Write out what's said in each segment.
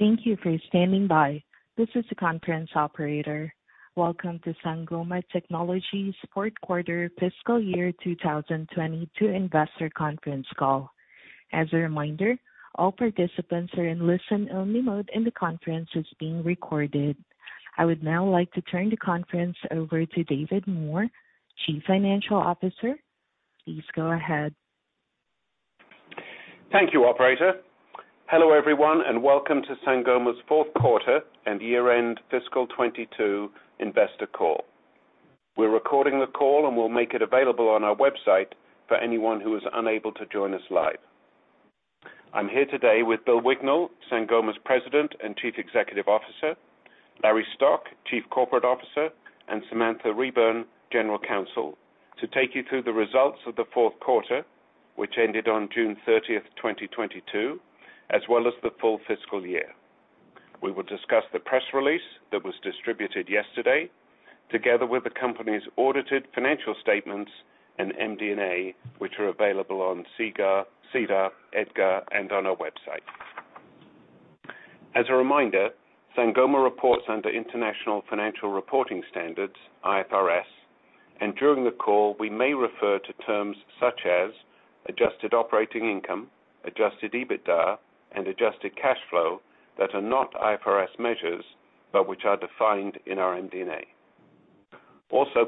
Thank you for standing by. This is the conference operator. Welcome to Sangoma Technologies fourth quarter fiscal year 2022 investor conference call. As a reminder, all participants are in listen-only mode, and the conference is being recorded. I would now like to turn the conference over to David Moore, Chief Financial Officer. Please go ahead. Thank you, operator. Hello, everyone, and welcome to Sangoma's fourth quarter and year-end fiscal 2022 investor call. We're recording the call, and we'll make it available on our website for anyone who is unable to join us live. I'm here today with Bill Wignall, Sangoma's President and Chief Executive Officer, Larry Stock, Chief Corporate Officer, and Samantha Reburn, General Counsel, to take you through the results of the fourth quarter, which ended on June 30, 2022, as well as the full fiscal year. We will discuss the press release that was distributed yesterday, together with the company's audited financial statements and MD&A, which are available on SEDAR, EDGAR, and on our website. As a reminder, Sangoma reports under International Financial Reporting Standards, IFRS, and during the call we may refer to terms such as adjusted operating income, Adjusted EBITDA, and adjusted cash flow that are not IFRS measures but which are defined in our MD&A.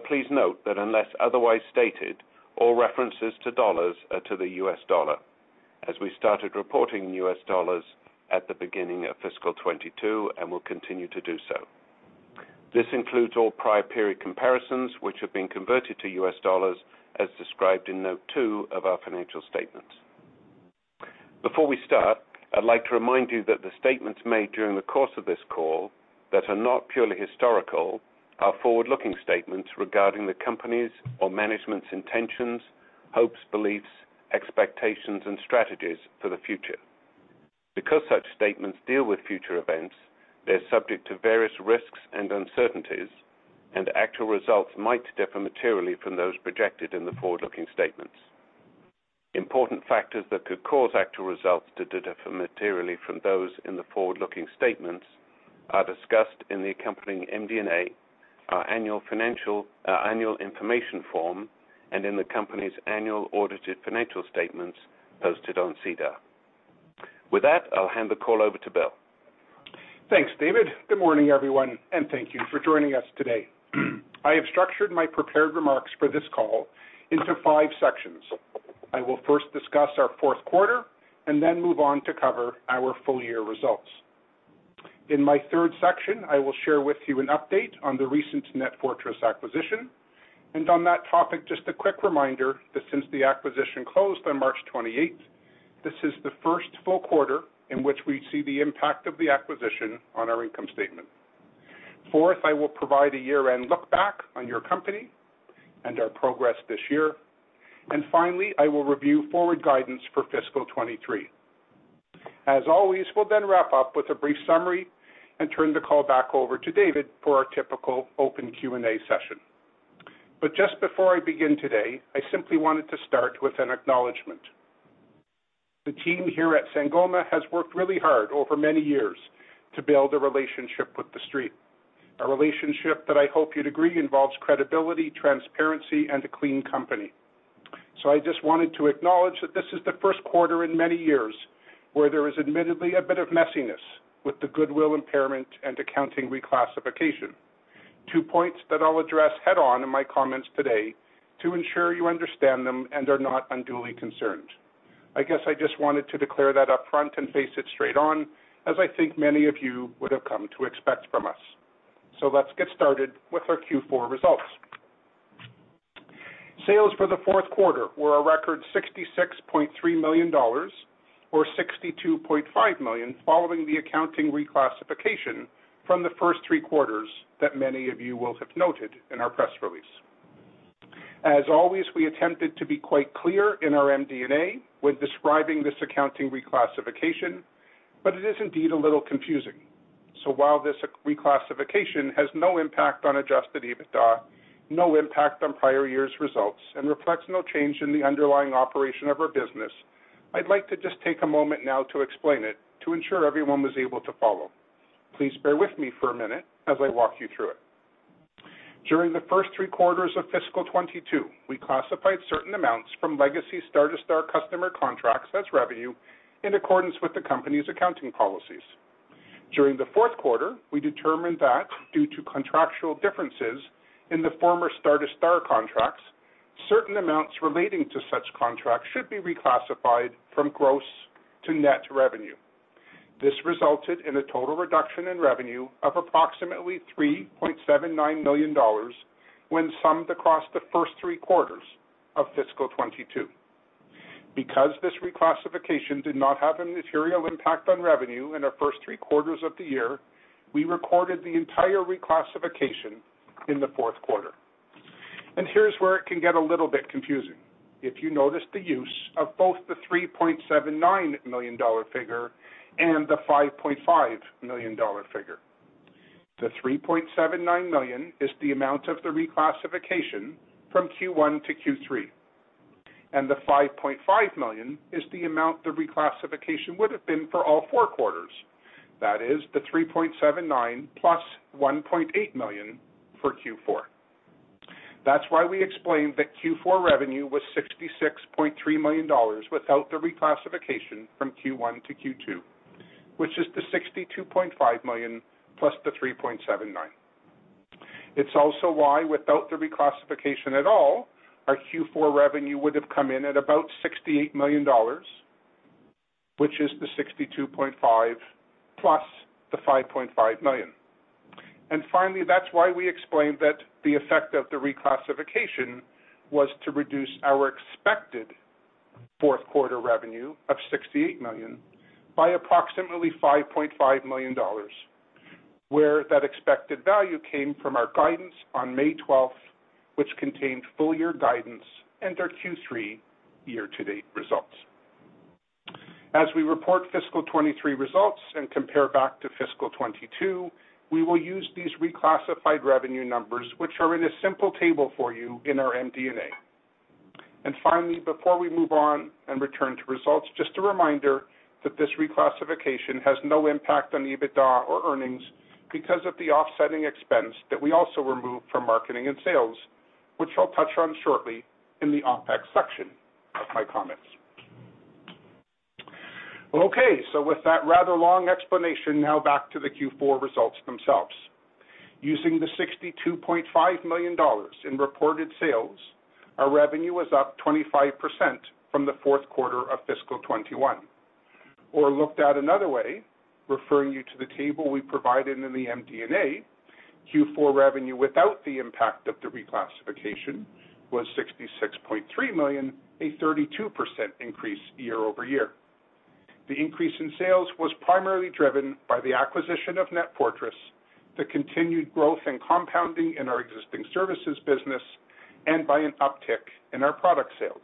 Please note that unless otherwise stated, all references to dollars are to the U.S. dollar, as we started reporting U.S. dollars at the beginning of fiscal 2022 and will continue to do so. This includes all prior period comparisons which have been converted to U.S. dollars as described in note two of our financial statements. Before we start, I'd like to remind you that the statements made during the course of this call that are not purely historical are forward-looking statements regarding the company's or management's intentions, hopes, beliefs, expectations and strategies for the future. Because such statements deal with future events, they are subject to various risks and uncertainties, and actual results might differ materially from those projected in the forward-looking statements. Important factors that could cause actual results to differ materially from those in the forward-looking statements are discussed in the accompanying MD&A, our annual information form, and in the company's annual audited financial statements posted on SEDAR. With that, I'll hand the call over to Bill. Thanks, David. Good morning, everyone, and thank you for joining us today. I have structured my prepared remarks for this call into five sections. I will first discuss our fourth quarter and then move on to cover our full year results. In my third section, I will share with you an update on the recent NetFortris acquisition. On that topic, just a quick reminder that since the acquisition closed on March twenty-eighth, this is the first full quarter in which we see the impact of the acquisition on our income statement. Fourth, I will provide a year-end look back on your company and our progress this year. Finally, I will review forward guidance for fiscal 2023. As always, we'll then wrap up with a brief summary and turn the call back over to David for our typical open Q&A session. Just before I begin today, I simply wanted to start with an acknowledgement. The team here at Sangoma has worked really hard over many years to build a relationship with the street, a relationship that I hope you'd agree involves credibility, transparency and a clean company. I just wanted to acknowledge that this is the first quarter in many years where there is admittedly a bit of messiness with the goodwill impairment and accounting reclassification. Two points that I'll address head on in my comments today to ensure you understand them and are not unduly concerned. I guess I just wanted to declare that up front and face it straight on, as I think many of you would have come to expect from us. Let's get started with our Q4 results. Sales for the fourth quarter were a record $66.3 million or $62.5 million following the accounting reclassification from the first three quarters that many of you will have noted in our press release. As always, we attempted to be quite clear in our MD&A when describing this accounting reclassification, but it is indeed a little confusing. While this reclassification has no impact on Adjusted EBITDA, no impact on prior year's results, and reflects no change in the underlying operation of our business, I'd like to just take a moment now to explain it to ensure everyone was able to follow. Please bear with me for a minute as I walk you through it. During the first three quarters of fiscal 2022, we classified certain amounts from legacy Star2Star customer contracts as revenue in accordance with the company's accounting policies. During the fourth quarter, we determined that due to contractual differences in the former Star2Star contracts, certain amounts relating to such contracts should be reclassified from gross to net revenue. This resulted in a total reduction in revenue of approximately $3.79 million when summed across the first three quarters of fiscal 2022. Because this reclassification did not have a material impact on revenue in our first three quarters of the year, we recorded the entire reclassification in the fourth quarter. Here's where it can get a little bit confusing. If you notice the use of both the $3.79 million figure and the $5.5 million figure. The $3.79 million is the amount of the reclassification from Q1 to Q3, and the $5.5 million is the amount the reclassification would have been for all four quarters. That is the $3.79 plus $1.8 million for Q4. That's why we explained that Q4 revenue was $66.3 million without the reclassification from Q1 to Q2, which is the $62.5 million plus the $3.79. It's also why, without the reclassification at all, our Q4 revenue would have come in at about $68 million, which is the $62.5 million plus the $5.5 million. Finally, that's why we explained that the effect of the reclassification was to reduce our expected fourth quarter revenue of $68 million by approximately $5.5 million. Where that expected value came from our guidance on May 12th, which contained full year guidance and our Q3 year to date results. As we report fiscal 2023 results and compare back to fiscal 2022, we will use these reclassified revenue numbers, which are in a simple table for you in our MD&A. Finally, before we move on and return to results, just a reminder that this reclassification has no impact on EBITDA or earnings because of the offsetting expense that we also removed from marketing and sales, which I'll touch on shortly in the OpEx section of my comments. Okay, so with that rather long explanation, now back to the Q4 results themselves. Using the $62.5 million in reported sales, our revenue was up 25% from the fourth quarter of fiscal 2021. Looked at another way, referring you to the table we provided in the MD&A, Q4 revenue without the impact of the reclassification was $66.3 million, a 32% increase year-over-year. The increase in sales was primarily driven by the acquisition of NetFortris, the continued growth and compounding in our existing services business, and by an uptick in our product sales.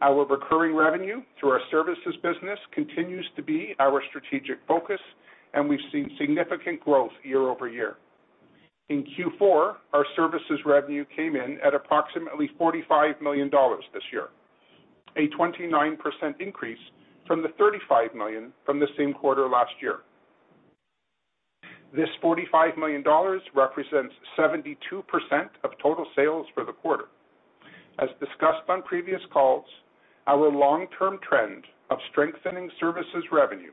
Our recurring revenue through our services business continues to be our strategic focus, and we've seen significant growth year-over-year. In Q4, our services revenue came in at approximately $45 million this year, a 29% increase from the $35 million from the same quarter last year. This $45 million represents 72% of total sales for the quarter. As discussed on previous calls, our long-term trend of strengthening services revenue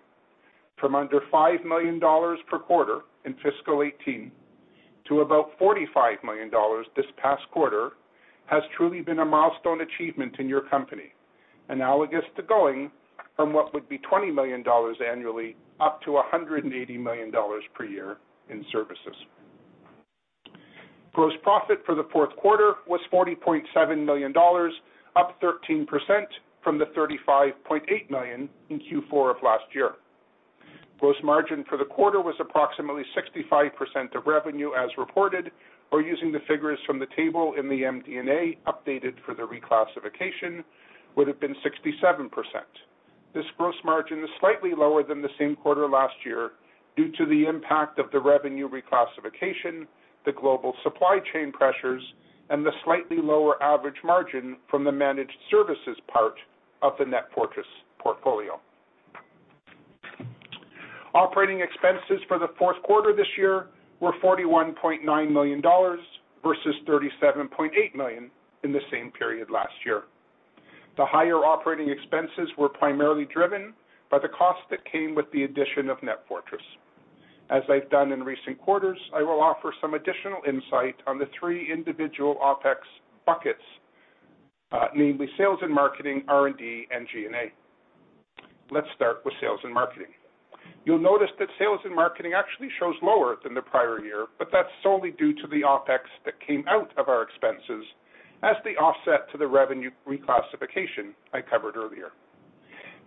from under $5 million per quarter in fiscal 2018 to about $45 million this past quarter has truly been a milestone achievement in your company. Analogous to going from what would be $20 million annually up to $180 million per year in services. Gross profit for the fourth quarter was $40.7 million, up 13% from the $35.8 million in Q4 of last year. Gross margin for the quarter was approximately 65% of revenue as reported, or using the figures from the table in the MD&A updated for the reclassification would have been 67%. This gross margin is slightly lower than the same quarter last year due to the impact of the revenue reclassification, the global supply chain pressures, and the slightly lower average margin from the managed services part of the NetFortris portfolio. Operating expenses for the fourth quarter this year were $41.9 million versus $37.8 million in the same period last year. The higher operating expenses were primarily driven by the cost that came with the addition of NetFortris. As I've done in recent quarters, I will offer some additional insight on the three individual OpEx buckets, namely sales and marketing, R&D, and G&A. Let's start with sales and marketing. You'll notice that sales and marketing actually shows lower than the prior year, but that's solely due to the OpEx that came out of our expenses as the offset to the revenue reclassification I covered earlier.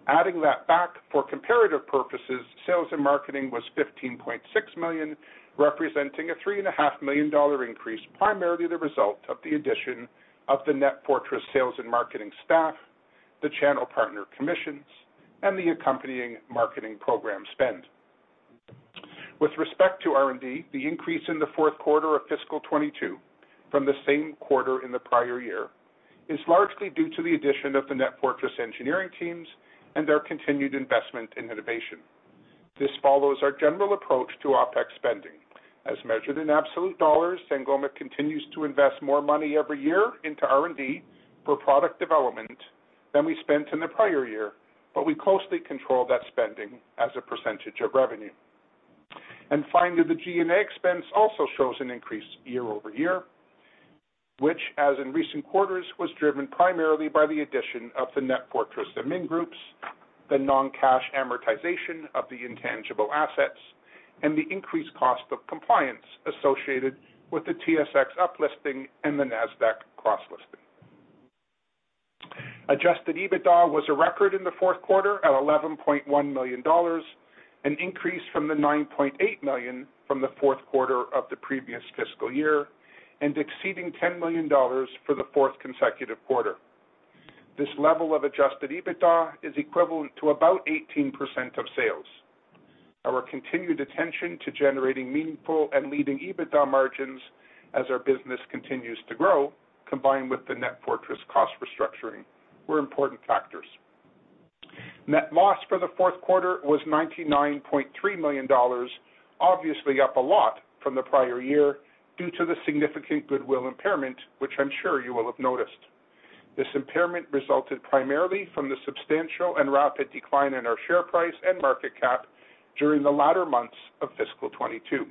Adding that back for comparative purposes, sales and marketing was $15.6 million, representing a $3.5 million increase, primarily the result of the addition of the NetFortris sales and marketing staff, the channel partner commissions, and the accompanying marketing program spend. With respect to R&D, the increase in the fourth quarter of fiscal 2022 from the same quarter in the prior year is largely due to the addition of the NetFortris engineering teams and their continued investment in innovation. This follows our general approach to OpEx spending. As measured in absolute dollars, Sangoma continues to invest more money every year into R&D for product development than we spent in the prior year, but we closely control that spending as a percentage of revenue. Finally, the G&A expense also shows an increase year over year, which as in recent quarters, was driven primarily by the addition of the NetFortris admin groups, the non-cash amortization of the intangible assets, and the increased cost of compliance associated with the TSX uplisting and the Nasdaq cross-listing. Adjusted EBITDA was a record in the fourth quarter at $11.1 million, an increase from the $9.8 million from the fourth quarter of the previous fiscal year and exceeding $10 million for the fourth consecutive quarter. This level of Adjusted EBITDA is equivalent to about 18% of sales. Our continued attention to generating meaningful and leading EBITDA margins as our business continues to grow, combined with the NetFortris cost restructuring, were important factors. Net loss for the fourth quarter was $99.3 million, obviously up a lot from the prior year due to the significant goodwill impairment, which I'm sure you will have noticed. This impairment resulted primarily from the substantial and rapid decline in our share price and market cap during the latter months of fiscal 2022.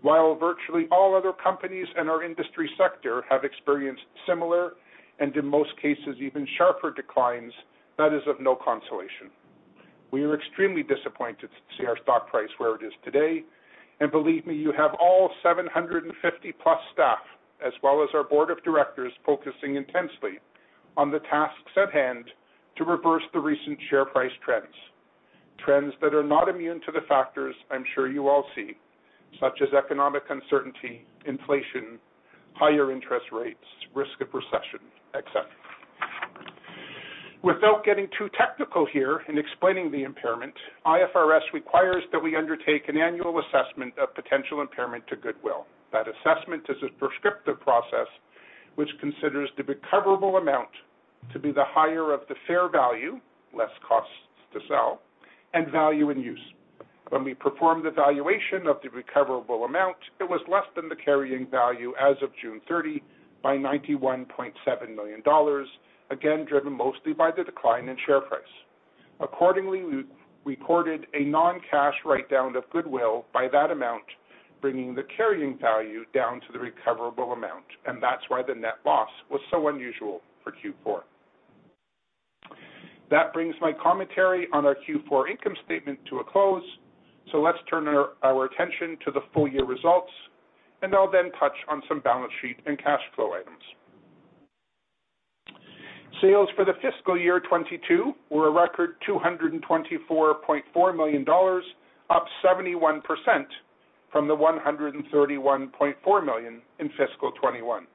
While virtually all other companies in our industry sector have experienced similar and in most cases, even sharper declines, that is of no consolation. We are extremely disappointed to see our stock price where it is today, and believe me, you have all 750+ staff as well as our board of directors, focusing intensely on the tasks at hand to reverse the recent share price trends. Trends that are not immune to the factors I'm sure you all see, such as economic uncertainty, inflation, higher interest rates, risk of recession, et cetera. Without getting too technical here in explaining the impairment, IFRS requires that we undertake an annual assessment of potential impairment to goodwill. That assessment is a prescriptive process which considers the recoverable amount to be the higher of the fair value, less costs to sell and value and use. When we perform the valuation of the recoverable amount, it was less than the carrying value as of June 30 by $91.7 million, again, driven mostly by the decline in share price. Accordingly, we recorded a non-cash write-down of goodwill by that amount, bringing the carrying value down to the recoverable amount, and that's why the net loss was so unusual for Q4. That brings my commentary on our Q4 income statement to a close. Let's turn our attention to the full year results, and I'll then touch on some balance sheet and cash flow items. Sales for the fiscal year 2022 were a record $224.4 million, up 71% from the $131.4 million in fiscal 2021.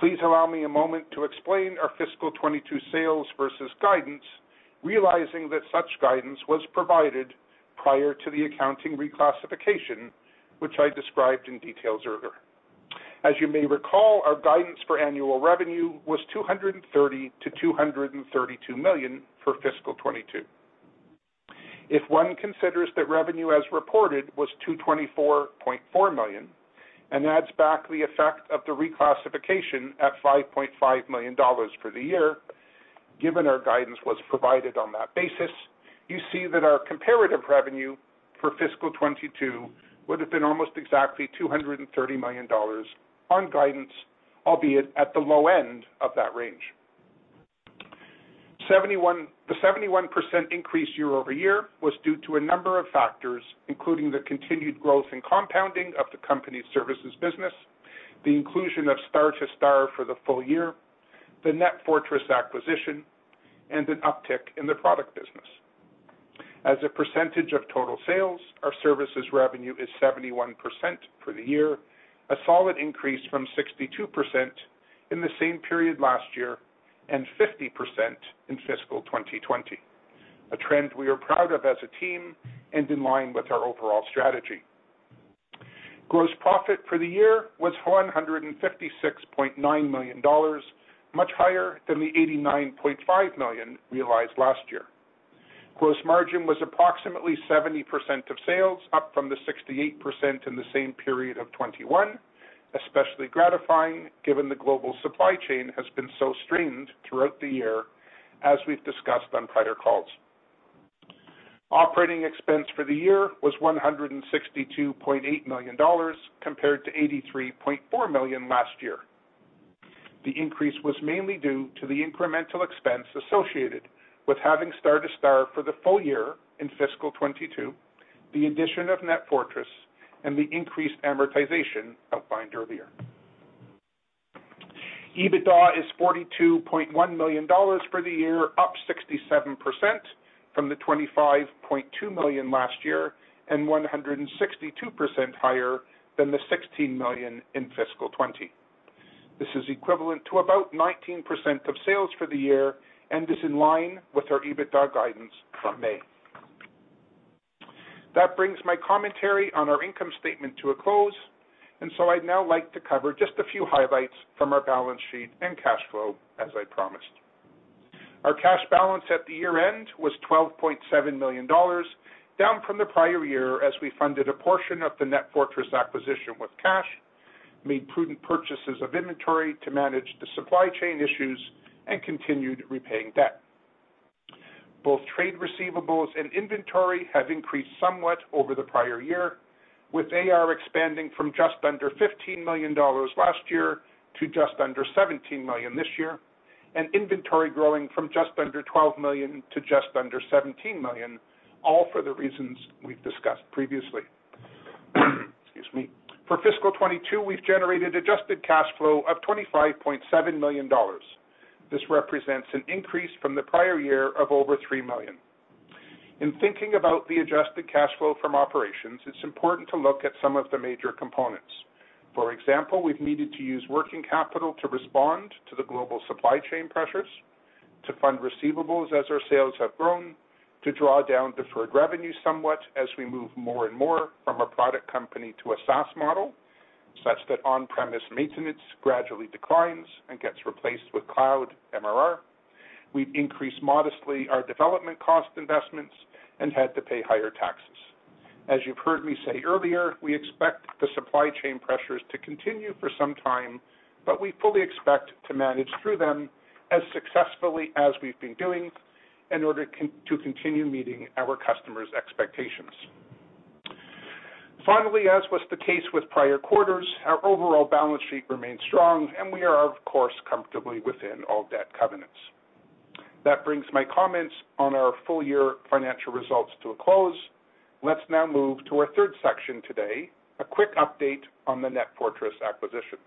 Please allow me a moment to explain our fiscal 2022 sales versus guidance, realizing that such guidance was provided prior to the accounting reclassification, which I described in detail earlier. As you may recall, our guidance for annual revenue was $230 million-$232 million for fiscal 2022. If one considers that revenue as reported was $224.4 million and adds back the effect of the reclassification at $5.5 million for the year, given our guidance was provided on that basis, you see that our comparative revenue for fiscal 2022 would have been almost exactly $230 million on guidance, albeit at the low end of that range. The 71% increase year-over-year was due to a number of factors, including the continued growth and compounding of the company's services business, the inclusion of Star2Star for the full year, the NetFortris acquisition, and an uptick in the product business. As a percentage of total sales, our services revenue is 71% for the year, a solid increase from 62% in the same period last year, and 50% in fiscal 2020. A trend we are proud of as a team and in line with our overall strategy. Gross profit for the year was $156.9 million, much higher than the $89.5 million realized last year. Gross margin was approximately 70% of sales, up from the 68% in the same period of 2021, especially gratifying, given the global supply chain has been so strained throughout the year as we've discussed on prior calls. Operating expense for the year was $162.8 million compared to $83.4 million last year. The increase was mainly due to the incremental expense associated with having Star2Star for the full year in fiscal 2022, the addition of NetFortris, and the increased amortization outlined earlier. EBITDA is $42.1 million for the year, up 67% from the $25.2 million last year, and 162% higher than the $16 million in fiscal 2020. This is equivalent to about 19% of sales for the year and is in line with our EBITDA guidance from May. That brings my commentary on our income statement to a close. I'd now like to cover just a few highlights from our balance sheet and cash flow, as I promised. Our cash balance at the year-end was $12.7 million, down from the prior year as we funded a portion of the NetFortris acquisition with cash, made prudent purchases of inventory to manage the supply chain issues, and continued repaying debt. Both trade receivables and inventory have increased somewhat over the prior year, with AR expanding from just under $15 million last year to just under $17 million this year, and inventory growing from just under $12 million to just under $17 million, all for the reasons we've discussed previously. Excuse me. For fiscal 2022, we've generated adjusted cash flow of $25.7 million. This represents an increase from the prior year of over $3 million. In thinking about the adjusted cash flow from operations, it's important to look at some of the major components. For example, we've needed to use working capital to respond to the global supply chain pressures, to fund receivables as our sales have grown, to draw down deferred revenue somewhat as we move more and more from a product company to a SaaS model, such that on-premise maintenance gradually declines and gets replaced with cloud MRR. We've increased modestly our development cost investments and had to pay higher taxes. As you've heard me say earlier, we expect the supply chain pressures to continue for some time, but we fully expect to manage through them as successfully as we've been doing in order to continue meeting our customers' expectations. Finally, as was the case with prior quarters, our overall balance sheet remains strong and we are, of course, comfortably within all debt covenants. That brings my comments on our full year financial results to a close. Let's now move to our third section today, a quick update on the NetFortris acquisition.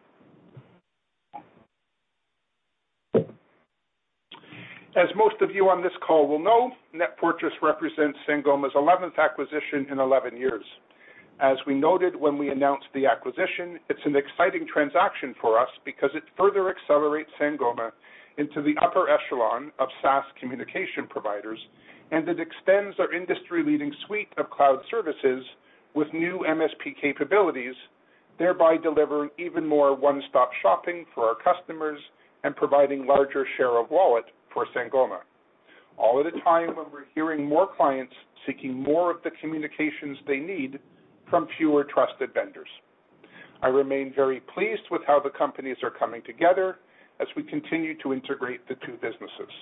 As most of you on this call will know, NetFortris represents Sangoma's eleventh acquisition in eleven years. As we noted when we announced the acquisition, it's an exciting transaction for us because it further accelerates Sangoma into the upper echelon of SaaS communication providers. It extends our industry-leading suite of cloud services with new MSP capabilities, thereby delivering even more one-stop shopping for our customers and providing larger share of wallet for Sangoma, all at a time when we're hearing more clients seeking more of the communications they need from fewer trusted vendors. I remain very pleased with how the companies are coming together as we continue to integrate the two businesses.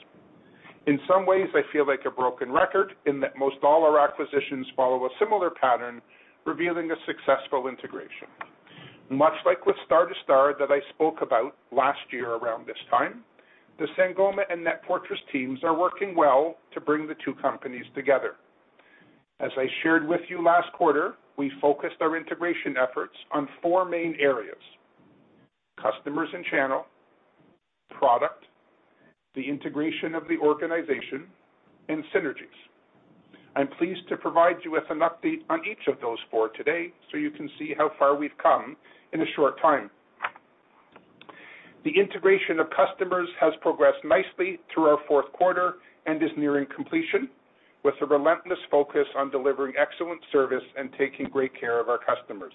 In some ways, I feel like a broken record in that most all our acquisitions follow a similar pattern, revealing a successful integration. Much like with Star2Star that I spoke about last year around this time, the Sangoma and NetFortris teams are working well to bring the two companies together. As I shared with you last quarter, we focused our integration efforts on four main areas, customers and channel, product, the integration of the organization, and synergies. I'm pleased to provide you with an update on each of those four today, so you can see how far we've come in a short time. The integration of customers has progressed nicely through our fourth quarter and is nearing completion with a relentless focus on delivering excellent service and taking great care of our customers.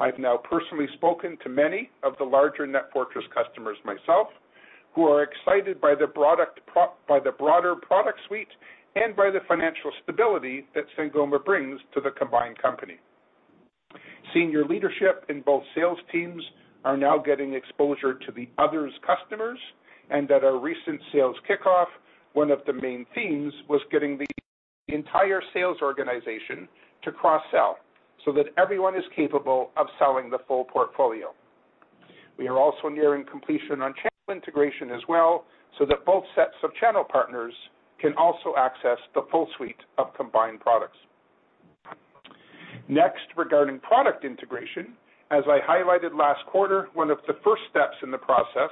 I've now personally spoken to many of the larger NetFortris customers myself, who are excited by the broader product suite and by the financial stability that Sangoma brings to the combined company. Senior leadership in both sales teams are now getting exposure to the other's customers, and at our recent sales kickoff, one of the main themes was getting the entire sales organization to cross-sell so that everyone is capable of selling the full portfolio. We are also nearing completion on channel integration as well, so that both sets of channel partners can also access the full suite of combined products. Next, regarding product integration, as I highlighted last quarter, one of the first steps in the process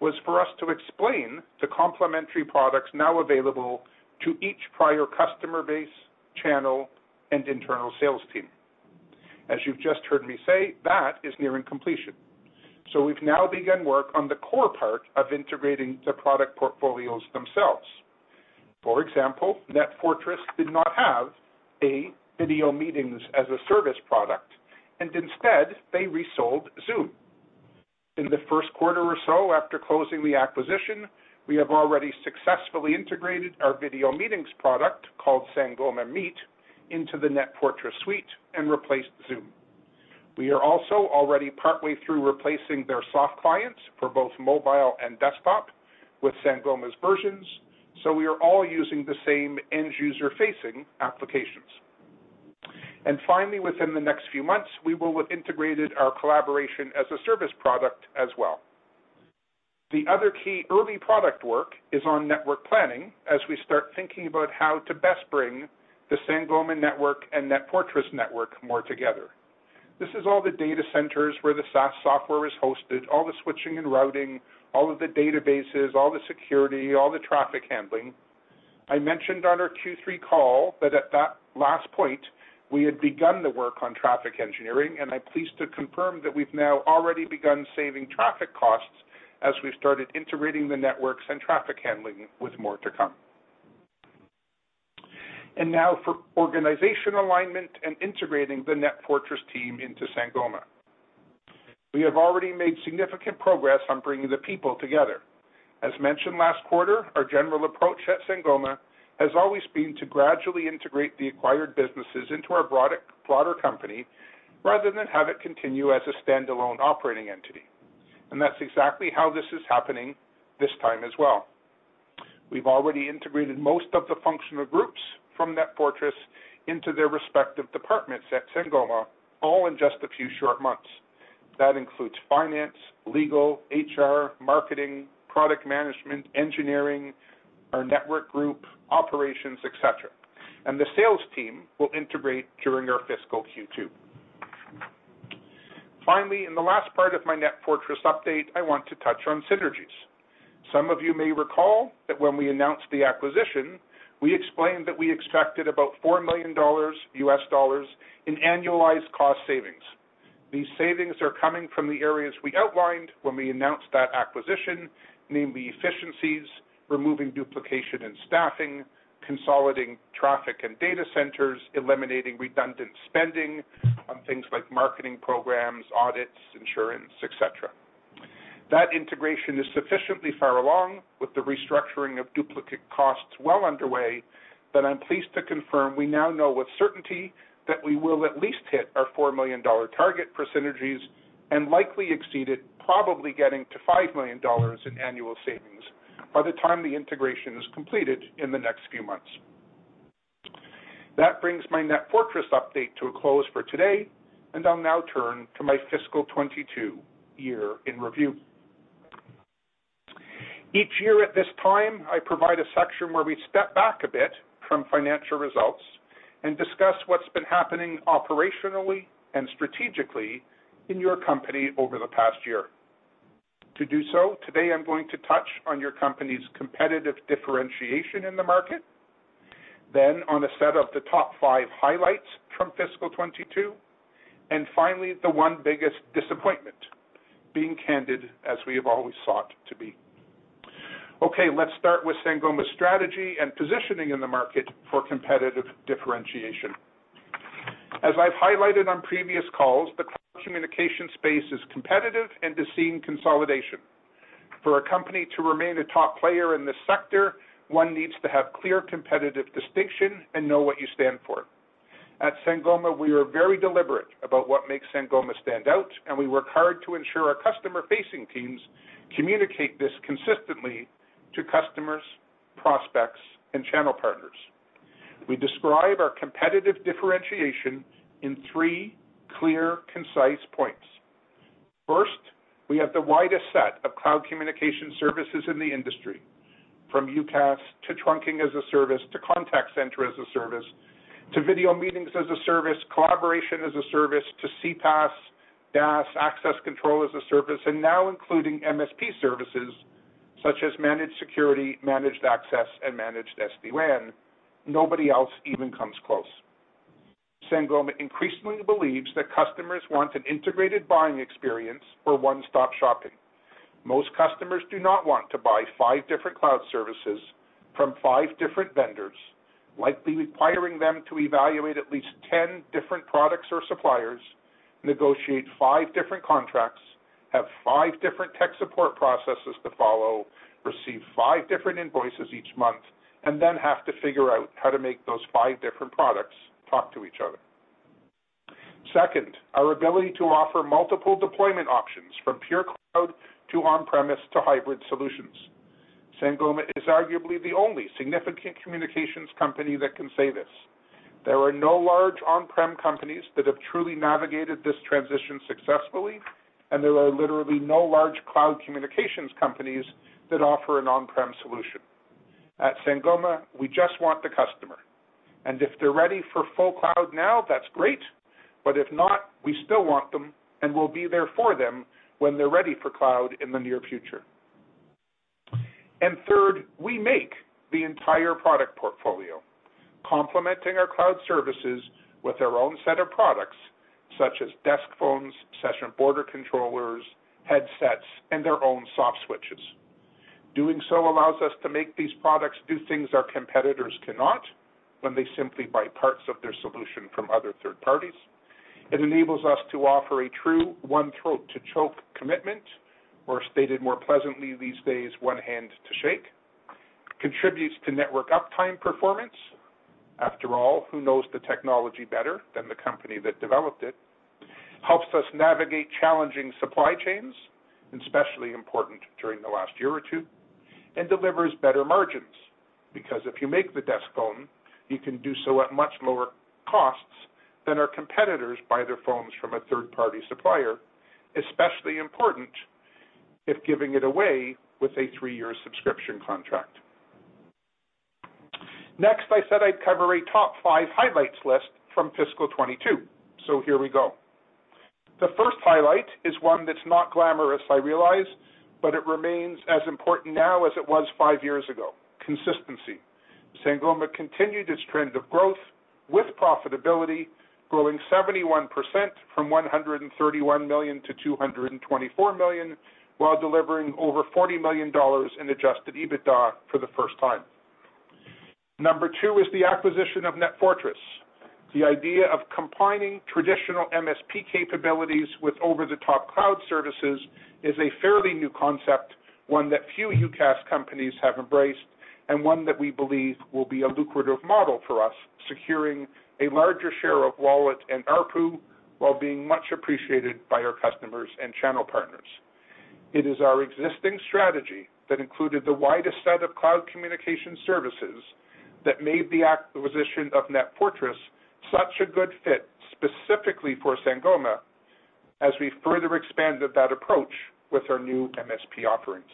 was for us to explain the complementary products now available to each prior customer base, channel, and internal sales team. As you've just heard me say, that is nearing completion. We've now begun work on the core part of integrating the product portfolios themselves. For example, NetFortris did not have a video meetings-as-a-service product, and instead, they resold Zoom. In the first quarter or so after closing the acquisition, we have already successfully integrated our video meetings product, called Sangoma Meet, into the NetFortris suite and replaced Zoom. We are also already partly through replacing their soft clients for both mobile and desktop with Sangoma's versions, so we are all using the same end-user facing applications. Finally, within the next few months, we will have integrated our collaboration-as-a-service product as well. The other key early product work is on network planning as we start thinking about how to best bring the Sangoma network and NetFortris network more together. This is all the data centers where the SaaS software is hosted, all the switching and routing, all of the databases, all the security, all the traffic handling. I mentioned on our Q3 call that at that last point, we had begun the work on traffic engineering, and I'm pleased to confirm that we've now already begun saving traffic costs as we've started integrating the networks and traffic handling with more to come. Now for organization alignment and integrating the NetFortris team into Sangoma. We have already made significant progress on bringing the people together. As mentioned last quarter, our general approach at Sangoma has always been to gradually integrate the acquired businesses into our broader company rather than have it continue as a standalone operating entity, and that's exactly how this is happening this time as well. We've already integrated most of the functional groups from NetFortris into their respective departments at Sangoma, all in just a few short months. That includes finance, legal, HR, marketing, product management, engineering, our network group, operations, et cetera. The sales team will integrate during our fiscal Q2. Finally, in the last part of my NetFortris update, I want to touch on synergies. Some of you may recall that when we announced the acquisition, we explained that we expected about $4 million in annualized cost savings. These savings are coming from the areas we outlined when we announced that acquisition, namely efficiencies, removing duplication in staffing, consolidating traffic and data centers, eliminating redundant spending on things like marketing programs, audits, insurance, et cetera. That integration is sufficiently far along with the restructuring of duplicate costs well underway that I'm pleased to confirm we now know with certainty that we will at least hit our $4 million target for synergies and likely exceed it, probably getting to $5 million in annual savings by the time the integration is completed in the next few months. That brings my NetFortris update to a close for today, and I'll now turn to my fiscal 2022 year in review. Each year at this time, I provide a section where we step back a bit from financial results and discuss what's been happening operationally and strategically in your company over the past year. To do so, today I'm going to touch on your company's competitive differentiation in the market, then on a set of the top five highlights from fiscal 2022, and finally, the one biggest disappointment, being candid as we have always sought to be. Okay, let's start with Sangoma's strategy and positioning in the market for competitive differentiation. As I've highlighted on previous calls, the cloud communication space is competitive and is seeing consolidation. For a company to remain a top player in this sector, one needs to have clear competitive distinction and know what you stand for. At Sangoma, we are very deliberate about what makes Sangoma stand out, and we work hard to ensure our customer-facing teams communicate this consistently to customers, prospects, and channel partners. We describe our competitive differentiation in three clear, concise points. First, we have the widest set of cloud communication services in the industry, from UCaaS to trunking as a service to contact center as a service to video meetings as a service, collaboration as a service to CPaaS, DaaS, access control as a service, and now including MSP services such as managed security, managed access, and managed SD-WAN. Nobody else even comes close. Sangoma increasingly believes that customers want an integrated buying experience for one-stop shopping. Most customers do not want to buy five different cloud services from five different vendors, likely requiring them to evaluate at least ten different products or suppliers, negotiate five different contracts, have five different tech support processes to follow, receive five different invoices each month, and then have to figure out how to make those five different products talk to each other. Second, our ability to offer multiple deployment options from pure cloud to on-premise to hybrid solutions. Sangoma is arguably the only significant communications company that can say this. There are no large on-prem companies that have truly navigated this transition successfully, and there are literally no large cloud communications companies that offer an on-prem solution. At Sangoma, we just want the customer, and if they're ready for full cloud now, that's great. But if not, we still want them, and we'll be there for them when they're ready for cloud in the near future. Third, we make the entire product portfolio, complementing our cloud services with our own set of products such as desk phones, session border controllers, headsets, and their own soft switches. Doing so allows us to make these products do things our competitors cannot when they simply buy parts of their solution from other third parties. It enables us to offer a true one throat to choke commitment, or stated more pleasantly these days, one hand to shake. Contributes to network uptime performance. After all, who knows the technology better than the company that developed it? Helps us navigate challenging supply chains, especially important during the last year or two, and delivers better margins. Because if you make the desk phone, you can do so at much lower costs than our competitors buy their phones from a third-party supplier, especially important if giving it away with a three-year subscription contract. Next, I said I'd cover a top five highlights list from fiscal 2022. Here we go. The first highlight is one that's not glamorous, I realize, but it remains as important now as it was five years ago, consistency. Sangoma continued its trend of growth with profitability growing 71% from $131 million to $224 million, while delivering over $40 million in Adjusted EBITDA for the first time. Number two is the acquisition of NetFortris. The idea of combining traditional MSP capabilities with over-the-top cloud services is a fairly new concept, one that few UCaaS companies have embraced, and one that we believe will be a lucrative model for us, securing a larger share of wallet and ARPU while being much appreciated by our customers and channel partners. It is our existing strategy that included the widest set of cloud communication services that made the acquisition of NetFortris such a good fit specifically for Sangoma as we further expanded that approach with our new MSP offerings.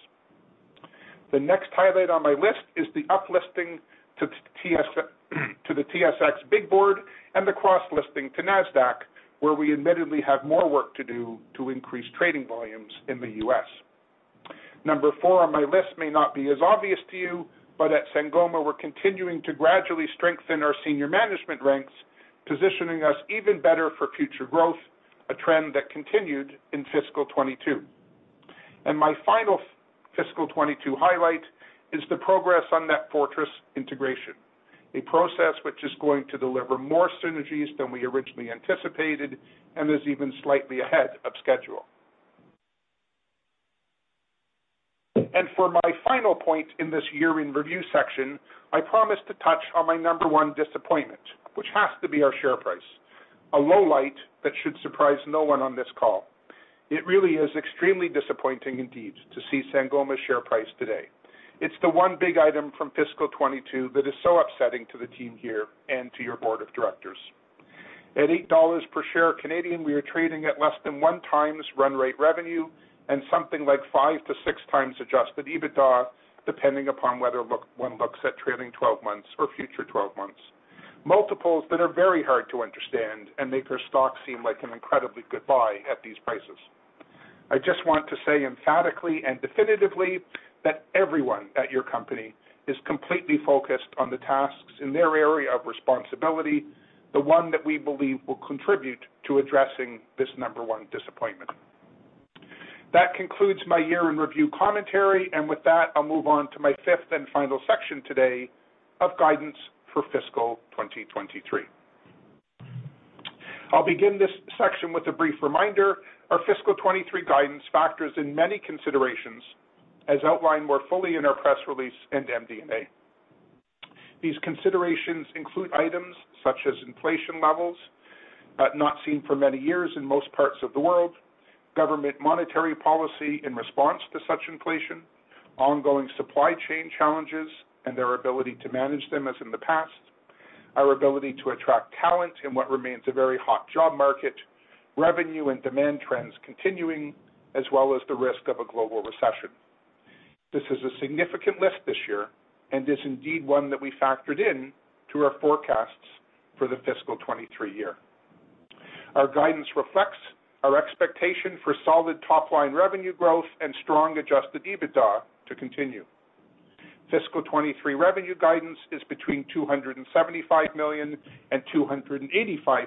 The next highlight on my list is the uplisting to the TSX big board and the cross-listing to Nasdaq, where we admittedly have more work to do to increase trading volumes in the U.S. Number four on my list may not be as obvious to you, but at Sangoma, we're continuing to gradually strengthen our senior management ranks, positioning us even better for future growth, a trend that continued in fiscal 2022. My final fiscal 2022 highlight is the progress on NetFortris integration, a process which is going to deliver more synergies than we originally anticipated and is even slightly ahead of schedule. For my final point in this year in review section, I promise to touch on my number one disappointment, which has to be our share price, a low light that should surprise no one on this call. It really is extremely disappointing indeed to see Sangoma's share price today. It's the one big item from fiscal 2022 that is so upsetting to the team here and to your board of directors. At 8 dollars per share, we are trading at less than 1x run rate revenue and something like 5x-6x Adjusted EBITDA, depending upon whether one looks at trailing 12 months or future 12 months. Multiples that are very hard to understand and make our stock seem like an incredibly good buy at these prices. I just want to say emphatically and definitively that everyone at your company is completely focused on the tasks in their area of responsibility, the one that we believe will contribute to addressing this number one disappointment. That concludes my year in review commentary, and with that, I'll move on to my fifth and final section today of guidance for fiscal 2023. I'll begin this section with a brief reminder. Our fiscal 2023 guidance factors in many considerations, as outlined more fully in our press release and MD&A. These considerations include items such as inflation levels, not seen for many years in most parts of the world, government monetary policy in response to such inflation, ongoing supply chain challenges and their ability to manage them as in the past, our ability to attract talent in what remains a very hot job market, revenue and demand trends continuing, as well as the risk of a global recession. This is a significant list this year and is indeed one that we factored into our forecasts for the fiscal 2023 year. Our guidance reflects our expectation for solid top-line revenue growth and strong Adjusted EBITDA to continue. Fiscal 2023 revenue guidance is between $275 million and $285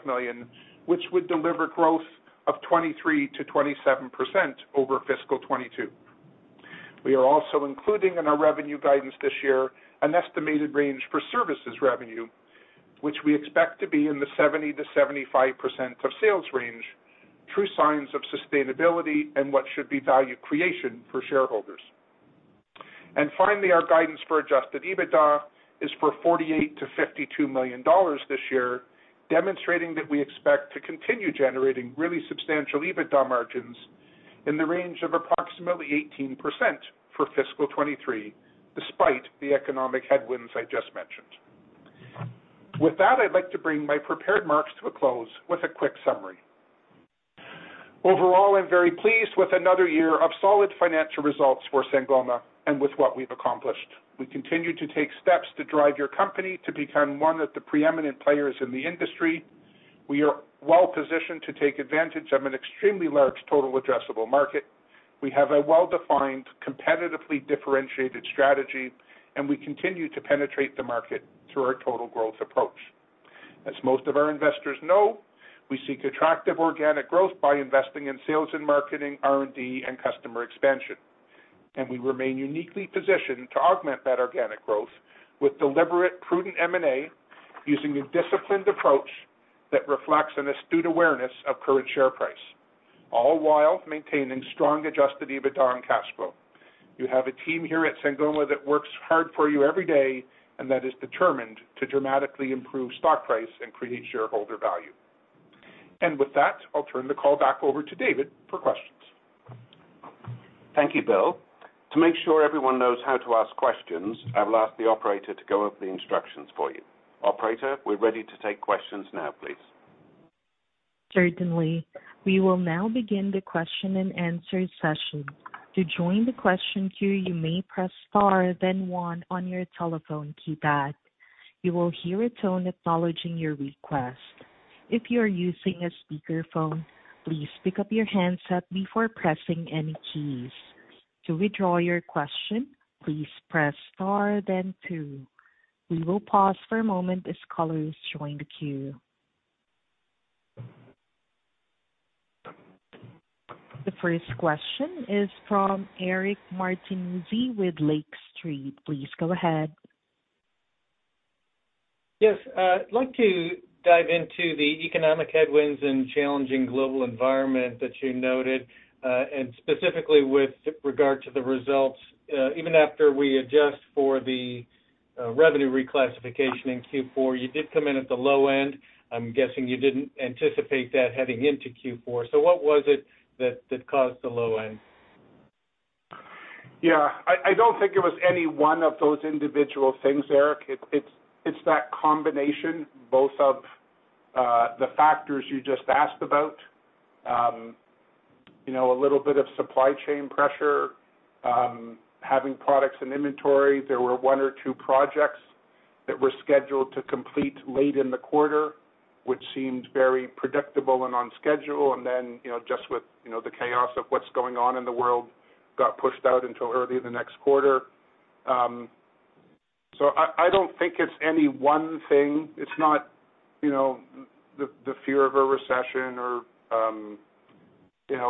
million, which would deliver growth of 23%-27% over fiscal 2022. We are also including in our revenue guidance this year an estimated range for services revenue, which we expect to be in the 70%-75% of sales range, true signs of sustainability and what should be value creation for shareholders. Finally, our guidance for Adjusted EBITDA is for $48 million-$52 million this year, demonstrating that we expect to continue generating really substantial EBITDA margins in the range of approximately 18% for fiscal 2023, despite the economic headwinds I just mentioned. With that, I'd like to bring my prepared remarks to a close with a quick summary. Overall, I'm very pleased with another year of solid financial results for Sangoma and with what we've accomplished. We continue to take steps to drive your company to become one of the preeminent players in the industry. We are well-positioned to take advantage of an extremely large total addressable market. We have a well-defined, competitively differentiated strategy, and we continue to penetrate the market through our total growth approach. As most of our investors know, we seek attractive organic growth by investing in sales and marketing, R&D, and customer expansion. We remain uniquely positioned to augment that organic growth with deliberate, prudent M&A using a disciplined approach that reflects an astute awareness of current share price, all while maintaining strong Adjusted EBITDA and cash flow. You have a team here at Sangoma that works hard for you every day and that is determined to dramatically improve stock price and create shareholder value. With that, I'll turn the call back over to David for questions. Thank you, Bill. To make sure everyone knows how to ask questions, I will ask the operator to go over the instructions for you. Operator, we're ready to take questions now, please. Certainly. We will now begin the question and answer session. To join the question queue, you may press star then one on your telephone keypad. You will hear a tone acknowledging your request. If you are using a speakerphone, please pick up your handset before pressing any keys. To withdraw your question, please press star then two. We will pause for a moment as callers join the queue. The first question is from Eric Martinuzzi with Lake Street. Please go ahead. Yes. I'd like to dive into the economic headwinds and challenging global environment that you noted, and specifically with regard to the results. Even after we adjust for the revenue reclassification in Q4, you did come in at the low end. I'm guessing you didn't anticipate that heading into Q4. What was it that caused the low end? Yeah, I don't think it was any one of those individual things, Eric. It's that combination, both of the factors you just asked about. You know, a little bit of supply chain pressure, having products and inventory. There were one or two projects that were scheduled to complete late in the quarter, which seemed very predictable and on schedule, and then, you know, just with the chaos of what's going on in the world, got pushed out until early the next quarter. I don't think it's any one thing. It's not the fear of a recession or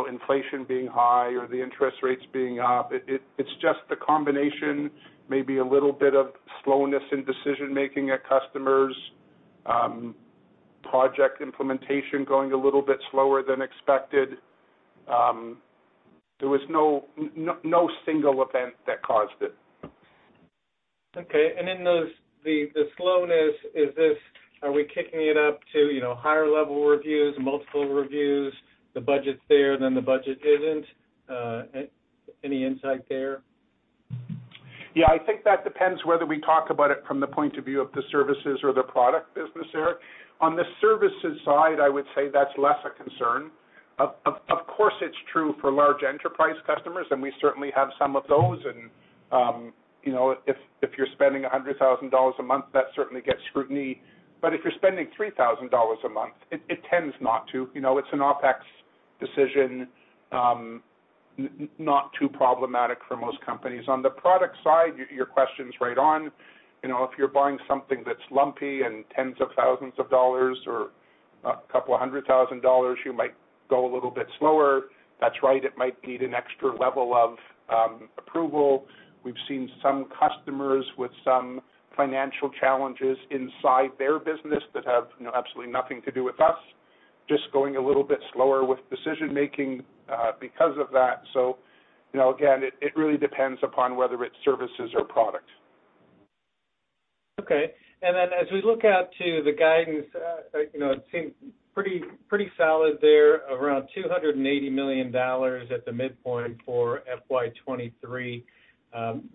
inflation being high or the interest rates being up. It's just the combination, maybe a little bit of slowness in decision-making at customers, project implementation going a little bit slower than expected. There was no single event that caused it. Okay. In the slowness, is this, are we kicking it up to, you know, higher level reviews, multiple reviews, the budget's there, then the budget isn't? Any insight there? Yeah. I think that depends whether we talk about it from the point of view of the services or the product business, Eric. On the services side, I would say that's less a concern. Of course, it's true for large enterprise customers, and we certainly have some of those. You know, if you're spending $100,000 a month, that certainly gets scrutiny. If you're spending $3,000 a month, it tends not to. You know, it's an OpEx decision, not too problematic for most companies. On the product side, your question's right on. You know, if you're buying something that's lumpy and tens of thousands of dollars or a couple of hundred thousand dollars, you might go a little bit slower. That's right. It might need an extra level of approval. We've seen some customers with some financial challenges inside their business that have, you know, absolutely nothing to do with us, just going a little bit slower with decision-making, because of that. You know, again, it really depends upon whether it's services or product. Okay. As we look out to the guidance, you know, it seems pretty solid there, around $280 million at the midpoint for FY 2023.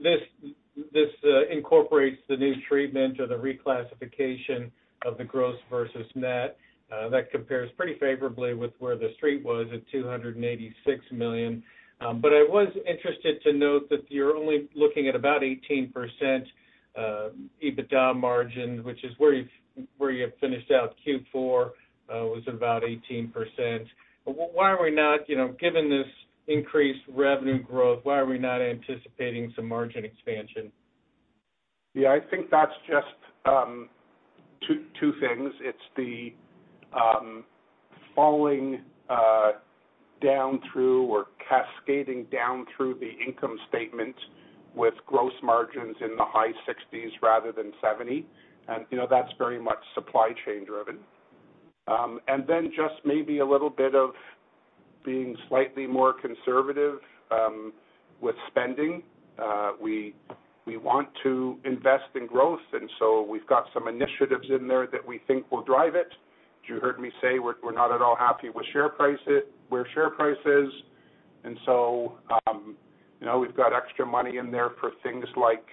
This incorporates the new treatment or the reclassification of the gross versus net. That compares pretty favorably with where the street was at $286 million. I was interested to note that you're only looking at about 18% EBITDA margin, which is where you had finished out Q4, was about 18%. Why are we not, you know, given this increased revenue growth, why are we not anticipating some margin expansion? Yeah. I think that's just two things. It's the falling down through or cascading down through the income statement with gross margins in the high 60s% rather than 70%. You know, that's very much supply chain-driven. Then just maybe a little bit of being slightly more conservative with spending. We want to invest in growth, and so we've got some initiatives in there that we think will drive it. You heard me say we're not at all happy with share price, where share price is. You know, we've got extra money in there for things like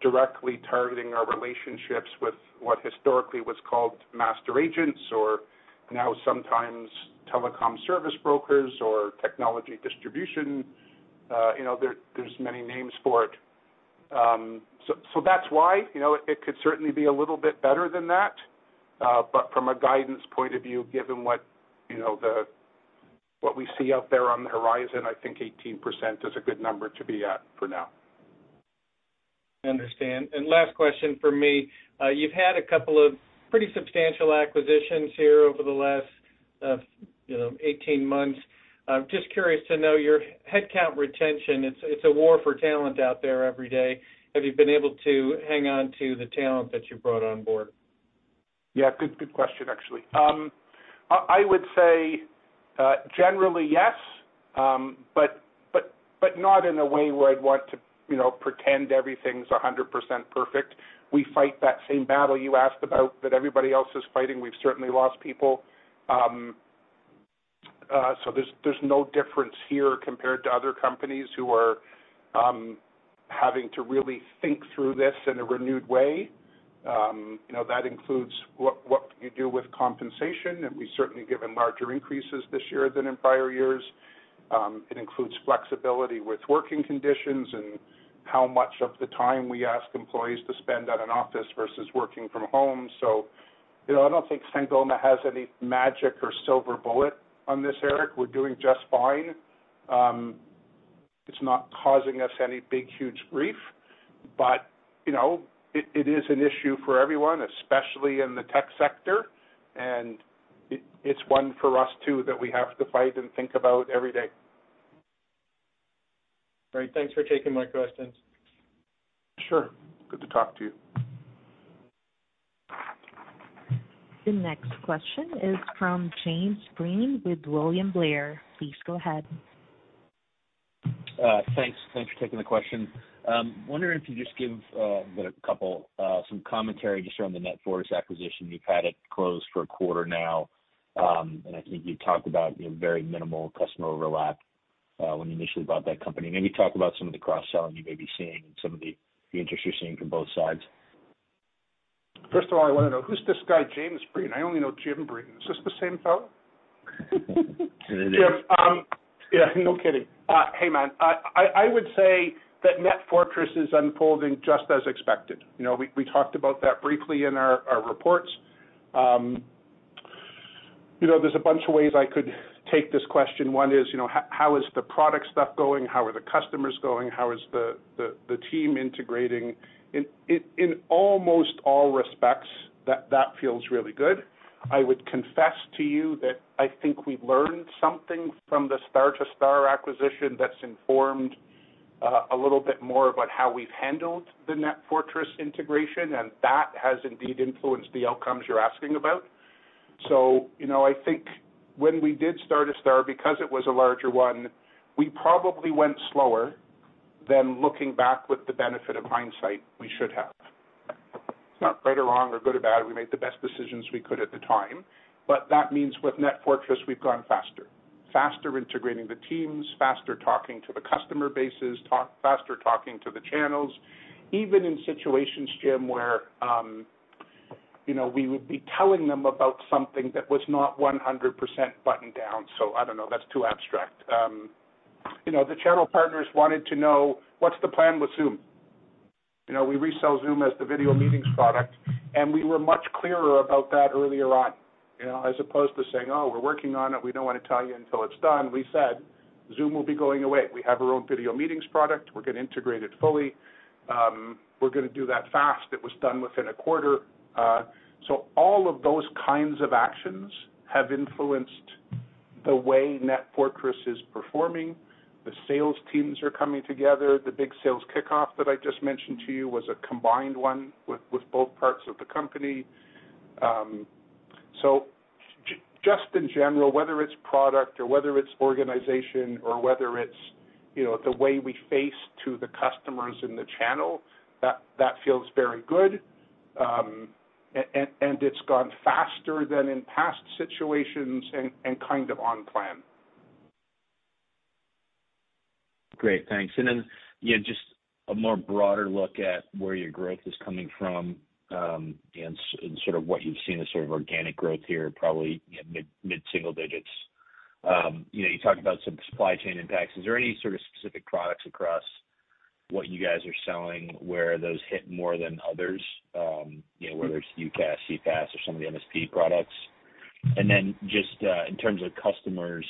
directly targeting our relationships with what historically was called master agents, or now sometimes telecom service brokers or technology distribution. You know, there's many names for it. That's why. You know, it could certainly be a little bit better than that. From a guidance point of view, given what, you know, what we see out there on the horizon, I think 18% is a good number to be at for now. I understand. Last question from me. You've had a couple of pretty substantial acquisitions here over the last, you know, 18 months. I'm just curious to know your headcount retention. It's a war for talent out there every day. Have you been able to hang on to the talent that you brought on board? Yeah. Good question, actually. I would say generally yes, but not in a way where I'd want to, you know, pretend everything's a hundred percent perfect. We fight that same battle you asked about that everybody else is fighting. We've certainly lost people. So there's no difference here compared to other companies who are having to really think through this in a renewed way. You know, that includes what can you do with compensation, and we've certainly given larger increases this year than in prior years. It includes flexibility with working conditions and how much of the time we ask employees to spend at an office versus working from home. You know, I don't think Sangoma has any magic or silver bullet on this, Eric. We're doing just fine. It's not causing us any big, huge grief. You know, it is an issue for everyone, especially in the tech sector, and it's one for us too that we have to fight and think about every day. Great. Thanks for taking my questions. Sure. Good to talk to you. The next question is from James Breen with William Blair. Please go ahead. Thanks. Thanks for taking the question. Wondering if you just give some commentary just around the NetFortris acquisition. You've had it closed for a quarter now, and I think you've talked about, you know, very minimal customer overlap, when you initially bought that company. Maybe talk about some of the cross-selling you may be seeing and some of the interest you're seeing from both sides. First of all, I wanna know who's this guy, James Breen? I only know Jim Breen. Is this the same fellow? It is. Jim, yeah, no kidding. Hey, man. I would say that NetFortris is unfolding just as expected. You know, we talked about that briefly in our reports. You know, there's a bunch of ways I could take this question. One is, you know, how is the product stuff going? How are the customers going? How is the team integrating? In almost all respects, that feels really good. I would confess to you that I think we've learned something from the Star2Star acquisition that's informed a little bit more about how we've handled the NetFortris integration, and that has indeed influenced the outcomes you're asking about. You know, I think when we did Star2Star, because it was a larger one, we probably went slower than looking back with the benefit of hindsight we should have. It's not right or wrong or good or bad, we made the best decisions we could at the time. That means with NetFortris, we've gone faster integrating the teams, faster talking to the customer bases, faster talking to the channels. Even in situations, Jim, where, you know, we would be telling them about something that was not 100% buttoned down, so I don't know, that's too abstract. You know, the channel partners wanted to know what's the plan with Zoom. You know, we resell Zoom as the video meetings product, and we were much clearer about that earlier on. You know, as opposed to saying, "Oh, we're working on it, we don't wanna tell you until it's done." We said, "Zoom will be going away. We have our own video meetings product. We're gonna integrate it fully. We're gonna do that fast." It was done within a quarter. All of those kinds of actions have influenced the way NetFortris is performing. The sales teams are coming together. The big sales kickoff that I just mentioned to you was a combined one with both parts of the company. Just in general, whether it's product or whether it's organization or whether it's, you know, the way we face to the customers in the channel, that feels very good. It's gone faster than in past situations and kind of on plan. Great. Thanks. Yeah, just a more broader look at where your growth is coming from, and sort of what you've seen as sort of organic growth here, probably, you know, mid-single digits. You know, you talked about some supply chain impacts. Is there any sort of specific products across what you guys are selling where those hit more than others, you know, whether it's UCaaS, CCaaS or some of the MSP products? Just, in terms of customers,